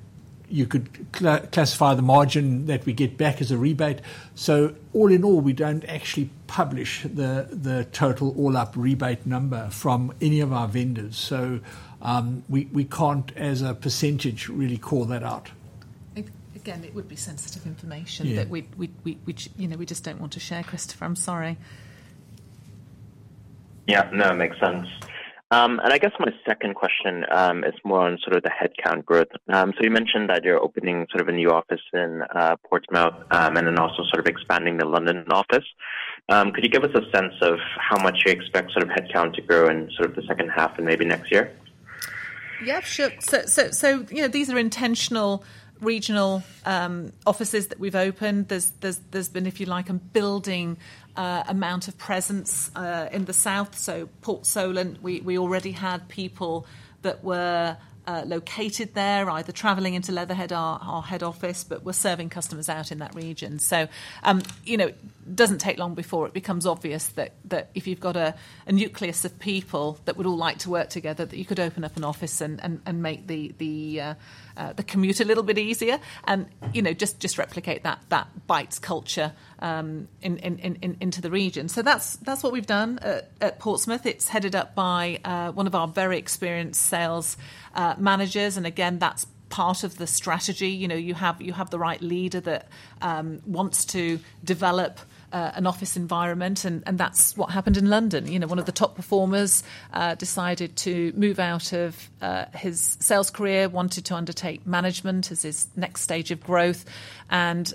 classify the margin that we get back as a rebate. So all in all, we don't actually publish the total all-up rebate number from any of our vendors, so we can't, as a percentage, really call that out. Again, it would be sensitive information that we, you know, we just don't want to share, Christopher. I'm sorry. Yeah. No, it makes sense, and I guess my second question is more on sort of the headcount growth, so you mentioned that you're opening sort of a new office in Portsmouth, and then also sort of expanding the London office. Could you give us a sense of how much you expect sort of headcount to grow in sort of the second half and maybe next year? Yeah, sure. So you know, these are intentional regional offices that we've opened. There's been, if you like, a building amount of presence in the south. So Port Solent, we already had people that were located there, either traveling into Leatherhead, our head office, but were serving customers out in that region. So you know, it doesn't take long before it becomes obvious that if you've got a nucleus of people that would all like to work together, that you could open up an office and make the commute a little bit easier, and you know, just replicate that Bytes culture into the region. So that's what we've done at Portsmouth. It's headed up by one of our very experienced sales managers, and again, that's part of the strategy. You know, you have the right leader that wants to develop an office environment, and that's what happened in London. You know, one of the top performers decided to move out of his sales career, wanted to undertake management as his next stage of growth, and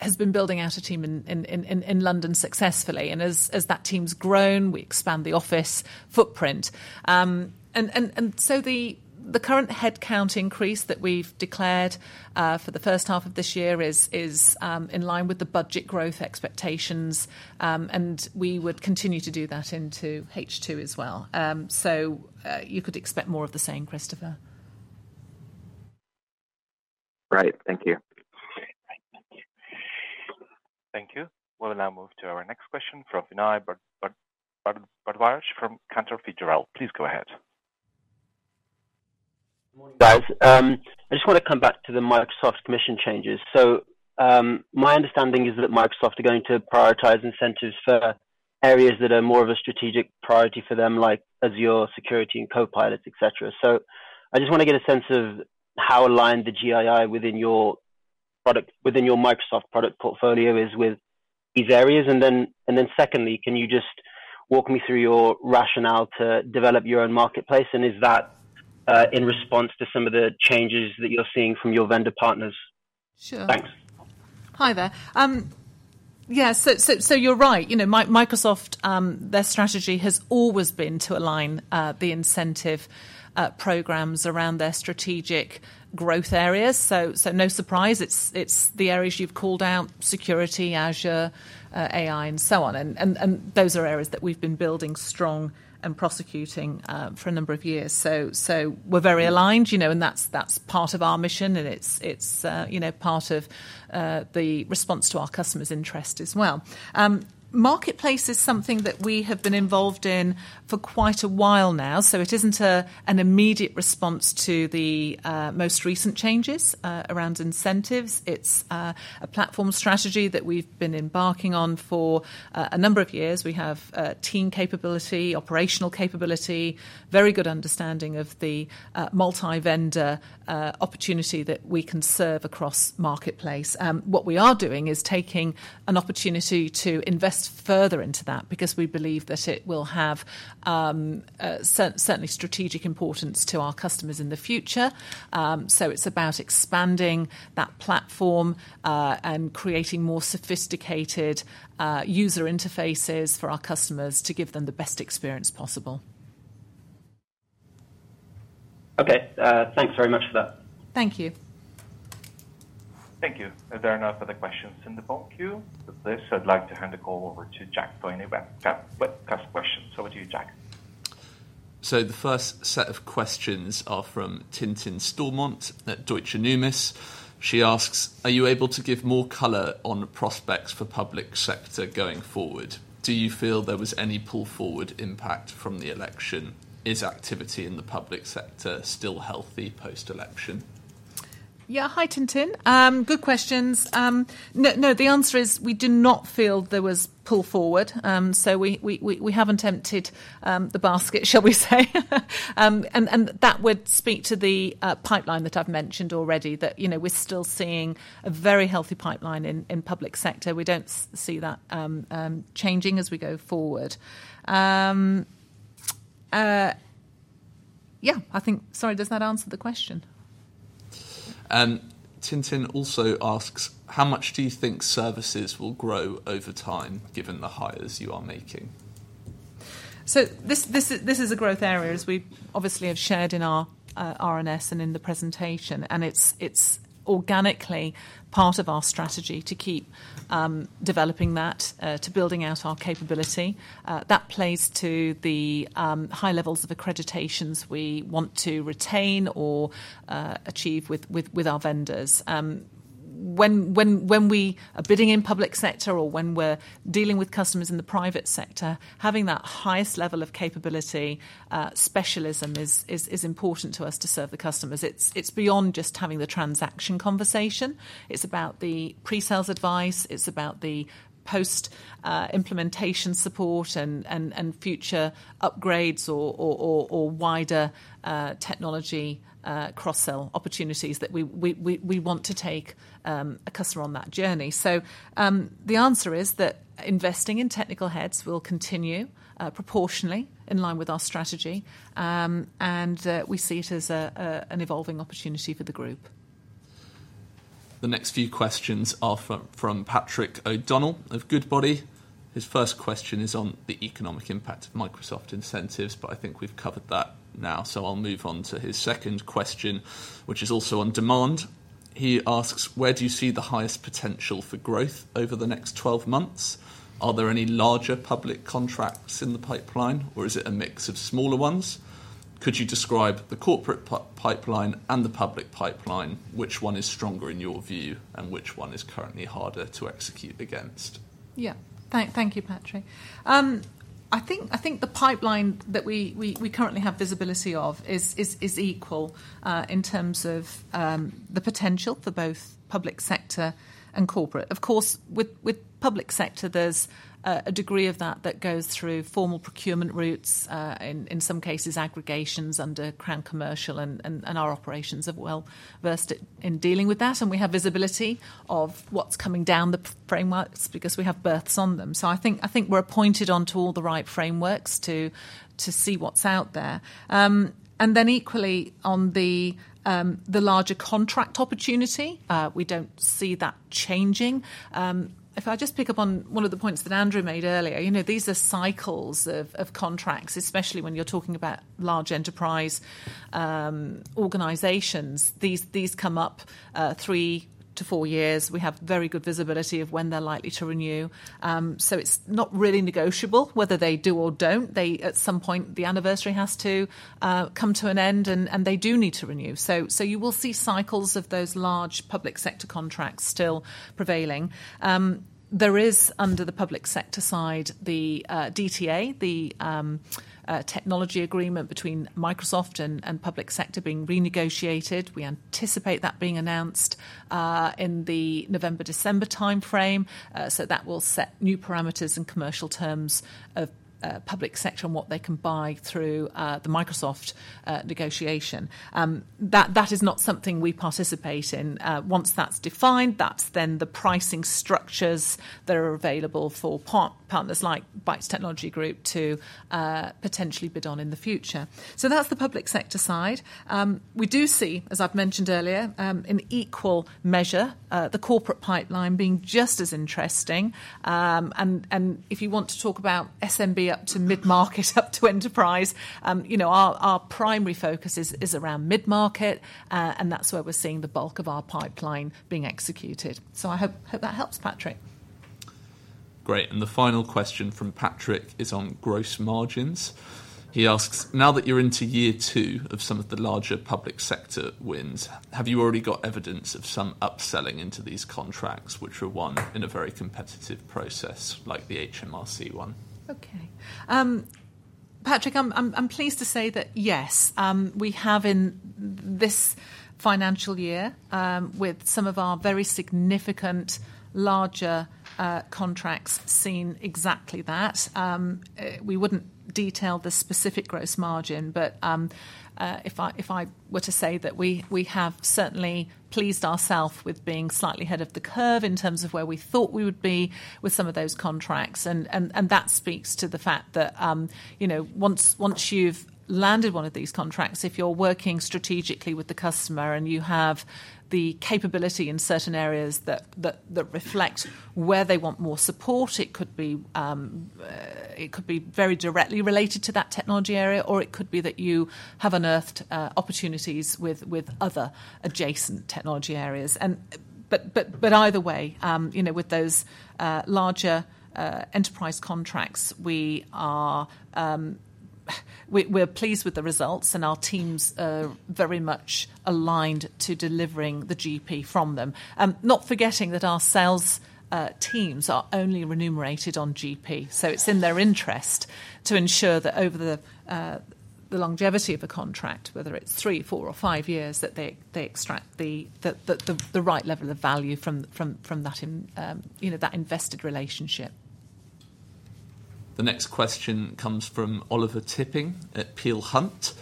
has been building out a team in London successfully. As that team's grown, we expand the office footprint. So the current headcount increase that we've declared for the first half of this year is in line with the budget growth expectations, and we would continue to do that into H2 as well. You could expect more of the same, Christopher. Right. Thank you. Thank you. We'll now move to our next question from Vinay Bhardwaj from Cantor Fitzgerald. Please go ahead. Morning, guys. I just want to come back to the Microsoft commission changes. So, my understanding is that Microsoft are going to prioritize incentives for areas that are more of a strategic priority for them, like Azure, security, and Copilots, et cetera. So I just want to get a sense of how aligned the GII within your Microsoft product portfolio is with these areas. Then secondly, can you just walk me through your rationale to develop your own marketplace, and is that in response to some of the changes that you're seeing from your vendor partners? Sure. Thanks. Hi there. Yeah, so you're right. You know, Microsoft, their strategy has always been to align the incentive programs around their strategic growth areas. So no surprise, it's the areas you've called out: security, Azure, AI, and so on, and those are areas that we've been building strong and prosecuting for a number of years. So we're very aligned, you know, and that's part of our mission, and it's you know, part of the response to our customers' interest as well. Marketplace is something that we have been involved in for quite a while now, so it isn't an immediate response to the most recent changes around incentives. It's a platform strategy that we've been embarking on for a number of years. We have team capability, operational capability, very good understanding of the multi-vendor opportunity that we can serve across Marketplace. What we are doing is taking an opportunity to invest further into that because we believe that it will have certainly strategic importance to our customers in the future, so it's about expanding that platform and creating more sophisticated user interfaces for our customers to give them the best experience possible. Okay. Thanks very much for that. Thank you. Thank you. If there are no further questions in the phone queue, then please, I'd like to hand the call over to Jack Sawyer with customer questions. Over to you, Jack. So the first set of questions are from Tintin Stormont at Deutsche Numis. She asks: "Are you able to give more color on the prospects for public sector going forward? Do you feel there was any pull-forward impact from the election? Is activity in the public sector still healthy post-election? Yeah. Hi, Tintin. Good questions. No, the answer is we do not feel there was pull forward, so we haven't emptied the basket, shall we say? That would speak to the pipeline that I've mentioned already, that you know, we're still seeing a very healthy pipeline in public sector. We don't see that changing as we go forward. Yeah, I think... Sorry, does that answer the question? Tintin also asks: "How much do you think services will grow over time, given the hires you are making? So this is a growth area, as we obviously have shared in our RNS and in the presentation, and it's organically part of our strategy to keep developing that to building out our capability. That plays to the high levels of accreditations we want to retain or achieve with our vendors. When we are bidding in public sector or when we're dealing with customers in the private sector, having that highest level of capability specialism is important to us to serve the customers. It's beyond just having the transaction conversation. It's about the pre-sales advice, it's about the post implementation support, and future upgrades or wider technology cross-sell opportunities that we want to take a customer on that journey. The answer is that investing in technical heads will continue proportionally in line with our strategy, and we see it as an evolving opportunity for the group. The next few questions are from Patrick O'Donnell of Goodbody. His first question is on the economic impact of Microsoft incentives, but I think we've covered that now. So I'll move on to his second question, which is also on demand. He asks: "Where do you see the highest potential for growth over the next 12 months? Are there any larger public contracts in the pipeline, or is it a mix of smaller ones? Could you describe the corporate pipeline and the public pipeline? Which one is stronger in your view, and which one is currently harder to execute against? Yeah. Thank you, Patrick. I think the pipeline that we currently have visibility of is equal in terms of the potential for both public sector and corporate. Of course, with public sector, there's a degree of that that goes through formal procurement routes, in some cases, aggregations under Crown Commercial, and our operations are well versed in dealing with that, and we have visibility of what's coming down the frameworks because we have berths on them. So I think we're appointed onto all the right frameworks to see what's out there. Then equally on the larger contract opportunity, we don't see that changing. If I just pick up on one of the points that Andrew made earlier, you know, these are cycles of contracts, especially when you're talking about large enterprise organizations. These come up 3-4 years. We have very good visibility of when they're likely to renew. So it's not really negotiable whether they do or don't. They, at some point, the anniversary has to come to an end, and they do need to renew. So you will see cycles of those large public sector contracts still prevailing. There is, under the public sector side, the DTA, the technology agreement between Microsoft and public sector being renegotiated. We anticipate that being announced in the November-December timeframe. So that will set new parameters and commercial terms of public sector and what they can buy through the Microsoft negotiation. That is not something we participate in. Once that's defined, that's then the pricing structures that are available for partners like Bytes Technology Group to potentially bid on in the future. So that's the public sector side. We do see, as I've mentioned earlier, in equal measure, the corporate pipeline being just as interesting and if you want to talk about SMB up to mid-market up to enterprise, you know, our primary focus is around mid-market, and that's where we're seeing the bulk of our pipeline being executed. So I hope that helps, Patrick. Great, and the final question from Patrick is on gross margins. He asks: Now that you're into year two of some of the larger public sector wins, have you already got evidence of some upselling into these contracts, which were won in a very competitive process, like the HMRC one? Okay. Patrick, I'm pleased to say that, yes, we have in this financial year, with some of our very significant larger contracts, seen exactly that. We wouldn't detail the specific gross margin, but, if I were to say that we have certainly pleased ourself with being slightly ahead of the curve in terms of where we thought we would be with some of those contracts. That speaks to the fact that, you know, once you've landed one of these contracts, if you're working strategically with the customer and you have the capability in certain areas that reflect where they want more support, it could be very directly related to that technology area, or it could be that you have unearthed opportunities with other adjacent technology areas. But either way, you know, with those larger enterprise contracts, we're pleased with the results, and our teams are very much aligned to delivering the GP from them. Not forgetting that our sales teams are only remunerated on GP. So it's in their interest to ensure that over the longevity of a contract, whether it's three, four, or five years, that they extract the right level of value from that in, you know, that invested relationship. The next question comes from Oliver Tipping at Peel Hunt.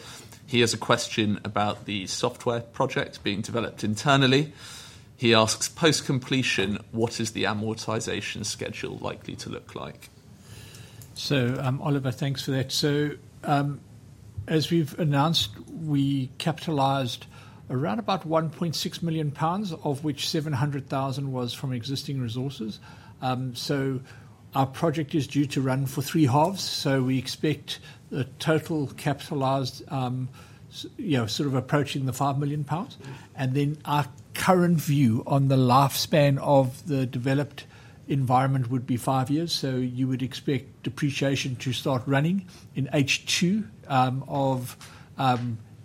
He has a question about the software project being developed internally. He asks: Post-completion, what is the amortization schedule likely to look like? So, Oliver, thanks for that. So, as we've announced, we capitalized around about 1.6 million pounds, of which 700,000 was from existing resources. So our project is due to run for three halves, so we expect the total capitalized, you know, sort of approaching the 5 million pounds. Then our current view on the lifespan of the developed environment would be five years, so you would expect depreciation to start running in H2 of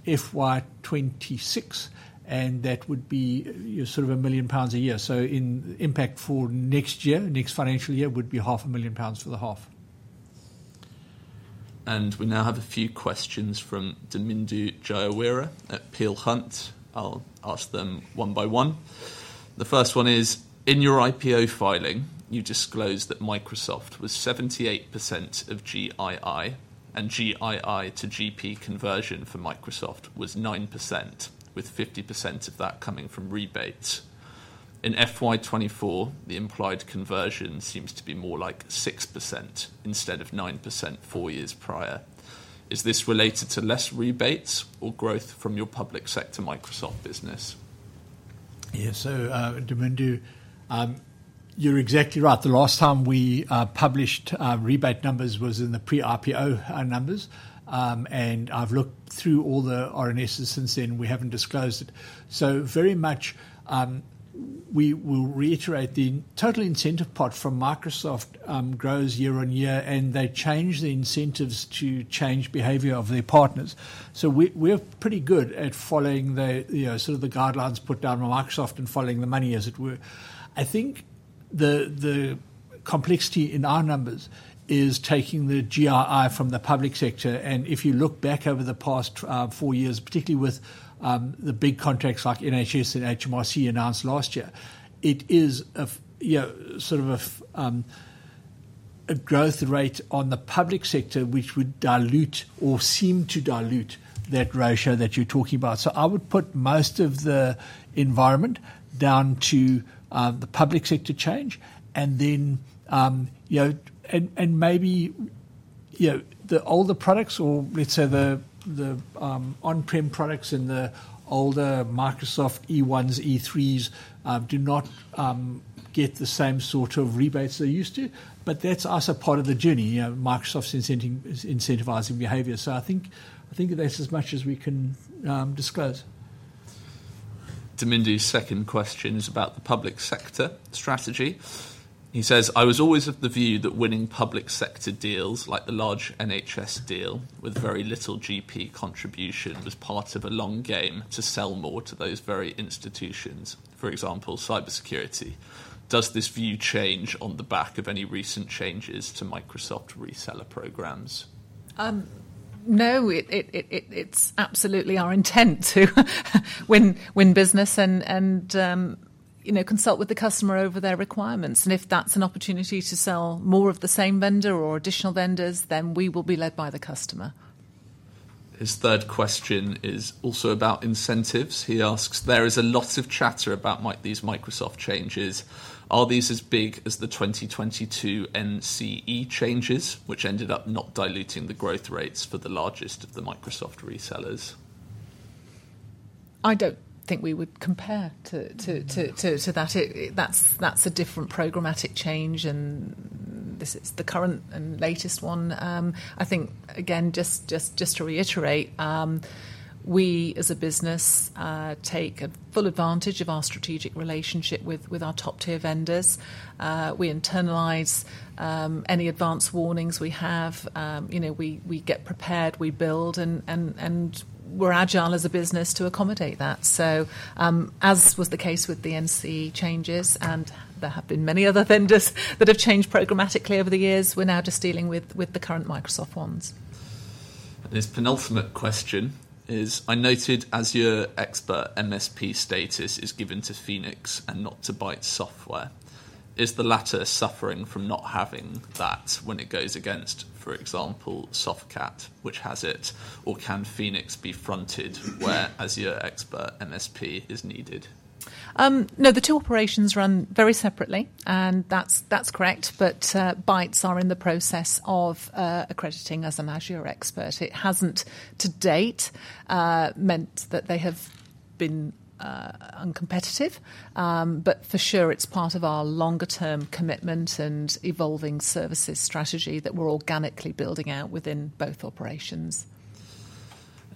FY 2026, and that would be, sort of, 1 million pounds a year. So the impact for next year, next financial year, would be 500,000 pounds for the half. We now have a few questions from Damindu Jayaweera at Peel Hunt. I'll ask them one by one. The first one is: In your IPO filing, you disclosed that Microsoft was 78% of GII, and GII to GP conversion for Microsoft was 9%, with 50% of that coming from rebates. In FY 2024, the implied conversion seems to be more like 6% instead of 9% four years prior. Is this related to less rebates or growth from your public sector Microsoft business? Yeah. So, Damindu, you're exactly right. The last time we published rebate numbers was in the pre-IPO numbers, and I've looked through all the RNSs since then. We haven't disclosed it. So very much, we will reiterate. The total incentive pot from Microsoft grows year-on-year, and they change the incentives to change behavior of their partners. So we're pretty good at following the, you know, sort of the guidelines put down by Microsoft and following the money, as it were. I think the complexity in our numbers is taking the GII from the public sector, and if you look back over the past four years, particularly with the big contracts like NHS and HMRC announced last year, it is a you know sort of a growth rate on the public sector, which would dilute or seem to dilute that ratio that you're talking about. So I would put most of the environment down to the public sector change, and then you know, and maybe you know the older products or let's say the on-prem products and the older Microsoft E1s E3s do not get the same sort of rebates they used to, but that's also part of the journey. You know Microsoft's incentivizing behaviour. So I think that's as much as we can disclose. Damindu's second question is about the public sector strategy. He says: I was always of the view that winning public sector deals, like the large NHS deal, with very little GP contribution, was part of a long game to sell more to those very institutions. For example, cybersecurity. Does this view change on the back of any recent changes to Microsoft reseller programs? No, it's absolutely our intent to win business and, you know, consult with the customer over their requirements, and if that's an opportunity to sell more of the same vendor or additional vendors, then we will be led by the customer. His third question is also about incentives. He asks: There is a lot of chatter about these Microsoft changes. Are these as big as the 2022 NCE changes, which ended up not diluting the growth rates for the largest of the Microsoft resellers? I don't think we would compare to that. That's a different programmatic change, and this is the current and latest one. I think, again, just to reiterate, we, as a business, take a full advantage of our strategic relationship with our top-tier vendors. We internalize any advanced warnings we have. You know, we get prepared, we build, and we're agile as a business to accommodate that. So, as was the case with the NCE changes, and there have been many other vendors that have changed programmatically over the years, we're now just dealing with the current Microsoft ones. This penultimate question is: I noted Azure Expert MSP status is given to Phoenix and not to Bytes Software. Is the latter suffering from not having that when it goes against, for example, Softcat, which has it, or can Phoenix be fronted where Azure Expert MSP is needed? No, the two operations run very separately, and that's, that's correct, but Bytes are in the process of accrediting as an Azure expert. It hasn't, to-date, meant that they have been uncompetitive, but for sure, it's part of our longer-term commitment and evolving services strategy that we're organically building out within both operations.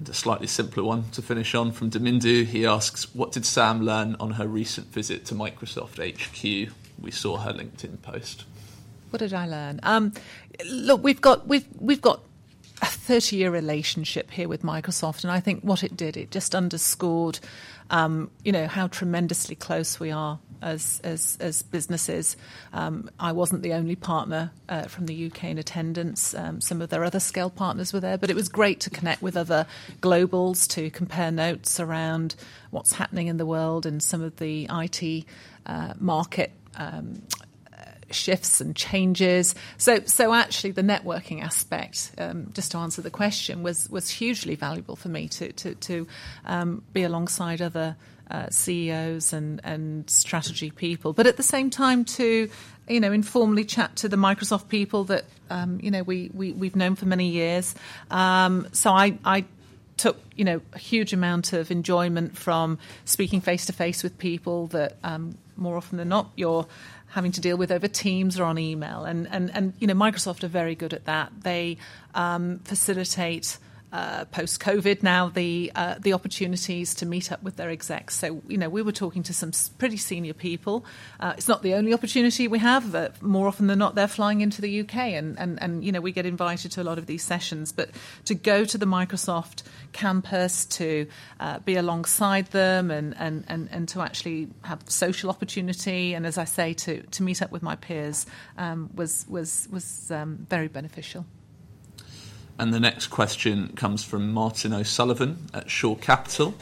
A slightly simpler one to finish on from Damindu. He asks: What did Sam learn on her recent visit to Microsoft HQ? We saw her LinkedIn post. What did I learn? Look, we've got a 30-year relationship here with Microsoft, and I think what it did, it just underscored, you know, how tremendously close we are as businesses. I wasn't the only partner from the U.K. in attendance. Some of their other scale partners were there. But it was great to connect with other globals, to compare notes around what's happening in the world and some of the IT market shifts and changes. So actually, the networking aspect, just to answer the question, was hugely valuable for me to be alongside other CEOs and strategy people, but at the same time, to you know, informally chat to the Microsoft people that, you know, we've known for many years. So I took, you know, a huge amount of enjoyment from speaking face-to-face with people that, more often than not, you're having to deal with over Teams or on email and you know, Microsoft are very good at that. They facilitate, post-COVID, now the opportunities to meet up with their execs. So, you know, we were talking to some pretty senior people. It's not the only opportunity we have, but more often than not, they're flying into the U.K., and, you know, we get invited to a lot of these sessions. But to go to the Microsoft campus, to be alongside them, and to actually have the social opportunity, and as I say, to meet up with my peers, was very beneficial. The next question comes from Martin O'Sullivan at Shore Capital.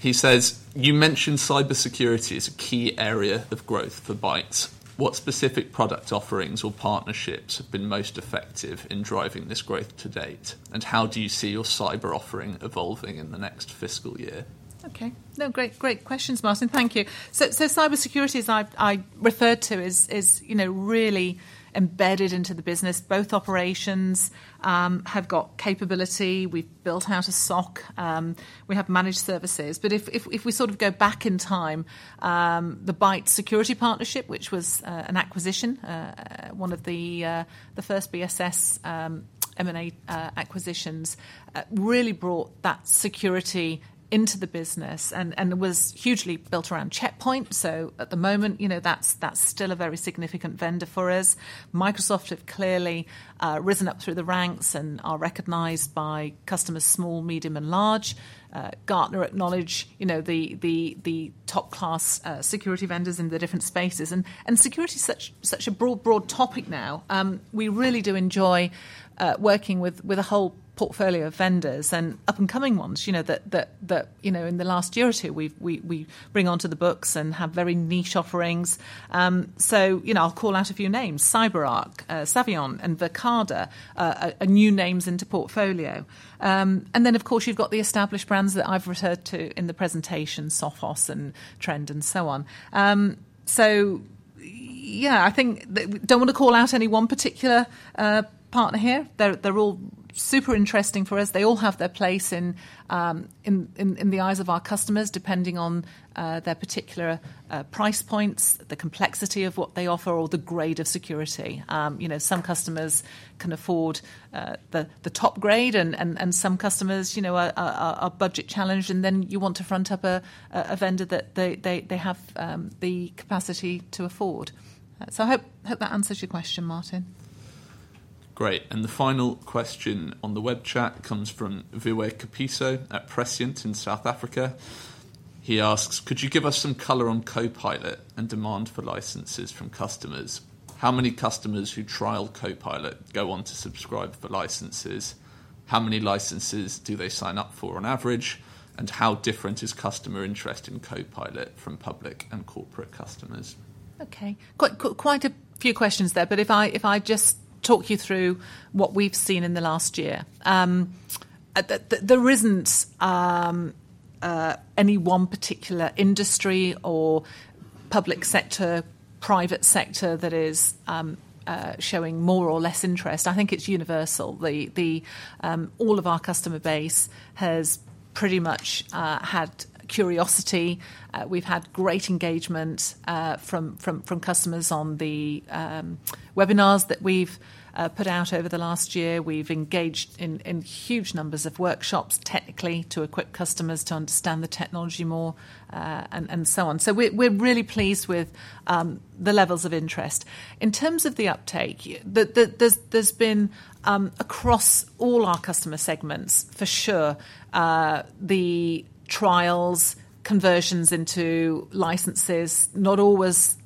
He says: You mentioned cybersecurity as a key area of growth for Bytes. What specific product offerings or partnerships have been most effective in driving this growth to-date, and how do you see your cyber offering evolving in the next fiscal year? Okay. No, great, great questions, Martin. Thank you. So cybersecurity, as I've referred to, is, you know, really embedded into the business. Both operations have got capability. We've built out a SOC. We have managed services. But if we sort of go back in time, the Bytes Security Partnerships, which was an acquisition, one of the first BSS M&A acquisitions, really brought that security into the business and was hugely built around Check Point. So at the moment, you know, that's still a very significant vendor for us. Microsoft have clearly risen up through the ranks and are recognized by customers, small, medium, and large. Gartner acknowledge, you know, the top-class security vendors in the different spaces. Security is such a broad topic now. We really do enjoy working with a whole portfolio of vendors, and up-and-coming ones, you know, in the last year or two, we've brought onto the books and have very niche offerings. So, you know, I'll call out a few names: CyberArk, Saviynt, and Verkada are new names into portfolio. Then, of course, you've got the established brands that I've referred to in the presentation, Sophos and Trend, and so on. So yeah, I think I don't want to call out any one particular partner here. They're all super interesting for us. They all have their place in the eyes of our customers, depending on their particular price points, the complexity of what they offer, or the grade of security. You know, some customers can afford the top grade, and some customers, you know, are budget-challenged, and then you want to front up a vendor that they have the capacity to afford. So I hope that answers your question, Martin. Great. The final question on the web chat comes from Vuyani Kapiso at Prescient in South Africa. He asks: Could you give us some color on Copilot and demand for licenses from customers? How many customers who trial Copilot go on to subscribe for licenses? How many licenses do they sign up for on average, and how different is customer interest in Copilot from public and corporate customers? Okay. Quite a few questions there, but if I just talk you through what we've seen in the last year. There isn't any one particular industry or public sector, private sector that is showing more or less interest. I think it's universal. All of our customer base has pretty much had curiosity. We've had great engagement from customers on the webinars that we've put out over the last year. We've engaged in huge numbers of workshops, technically, to equip customers to understand the technology more, and so on. So we're really pleased with the levels of interest. In terms of the uptake, there's been across all our customer segments, for sure, the trials, conversions into licenses, not always,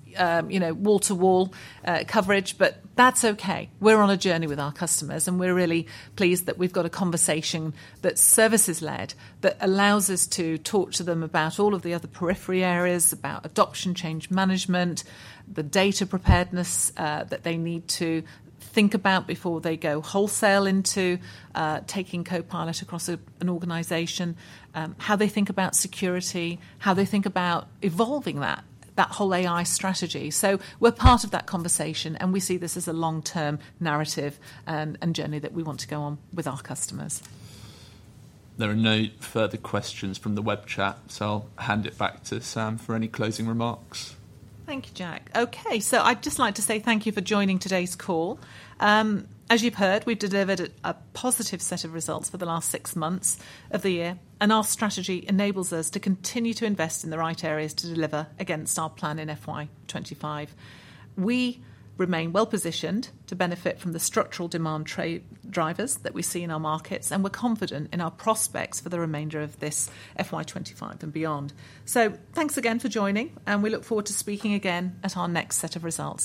you know, wall-to-wall coverage, but that's okay. We're on a journey with our customers, and we're really pleased that we've got a conversation that's services-led, that allows us to talk to them about all of the other periphery areas, about adoption, change management, the data preparedness, that they need to think about before they go wholesale into taking Copilot across an organization. How they think about security, how they think about evolving that whole AI strategy. So we're part of that conversation, and we see this as a long-term narrative, and journey that we want to go on with our customers. There are no further questions from the web chat, so I'll hand it back to Sam for any closing remarks. Thank you, Jack. Okay, so I'd just like to say thank you for joining today's call. As you've heard, we've delivered a positive set of results for the last six months of the year, and our strategy enables us to continue to invest in the right areas to deliver against our plan in FY 2025. We remain well-positioned to benefit from the structural demand trade drivers that we see in our markets, and we're confident in our prospects for the remainder of this FY 2025 and beyond. So thanks again for joining, and we look forward to speaking again at our next set of results.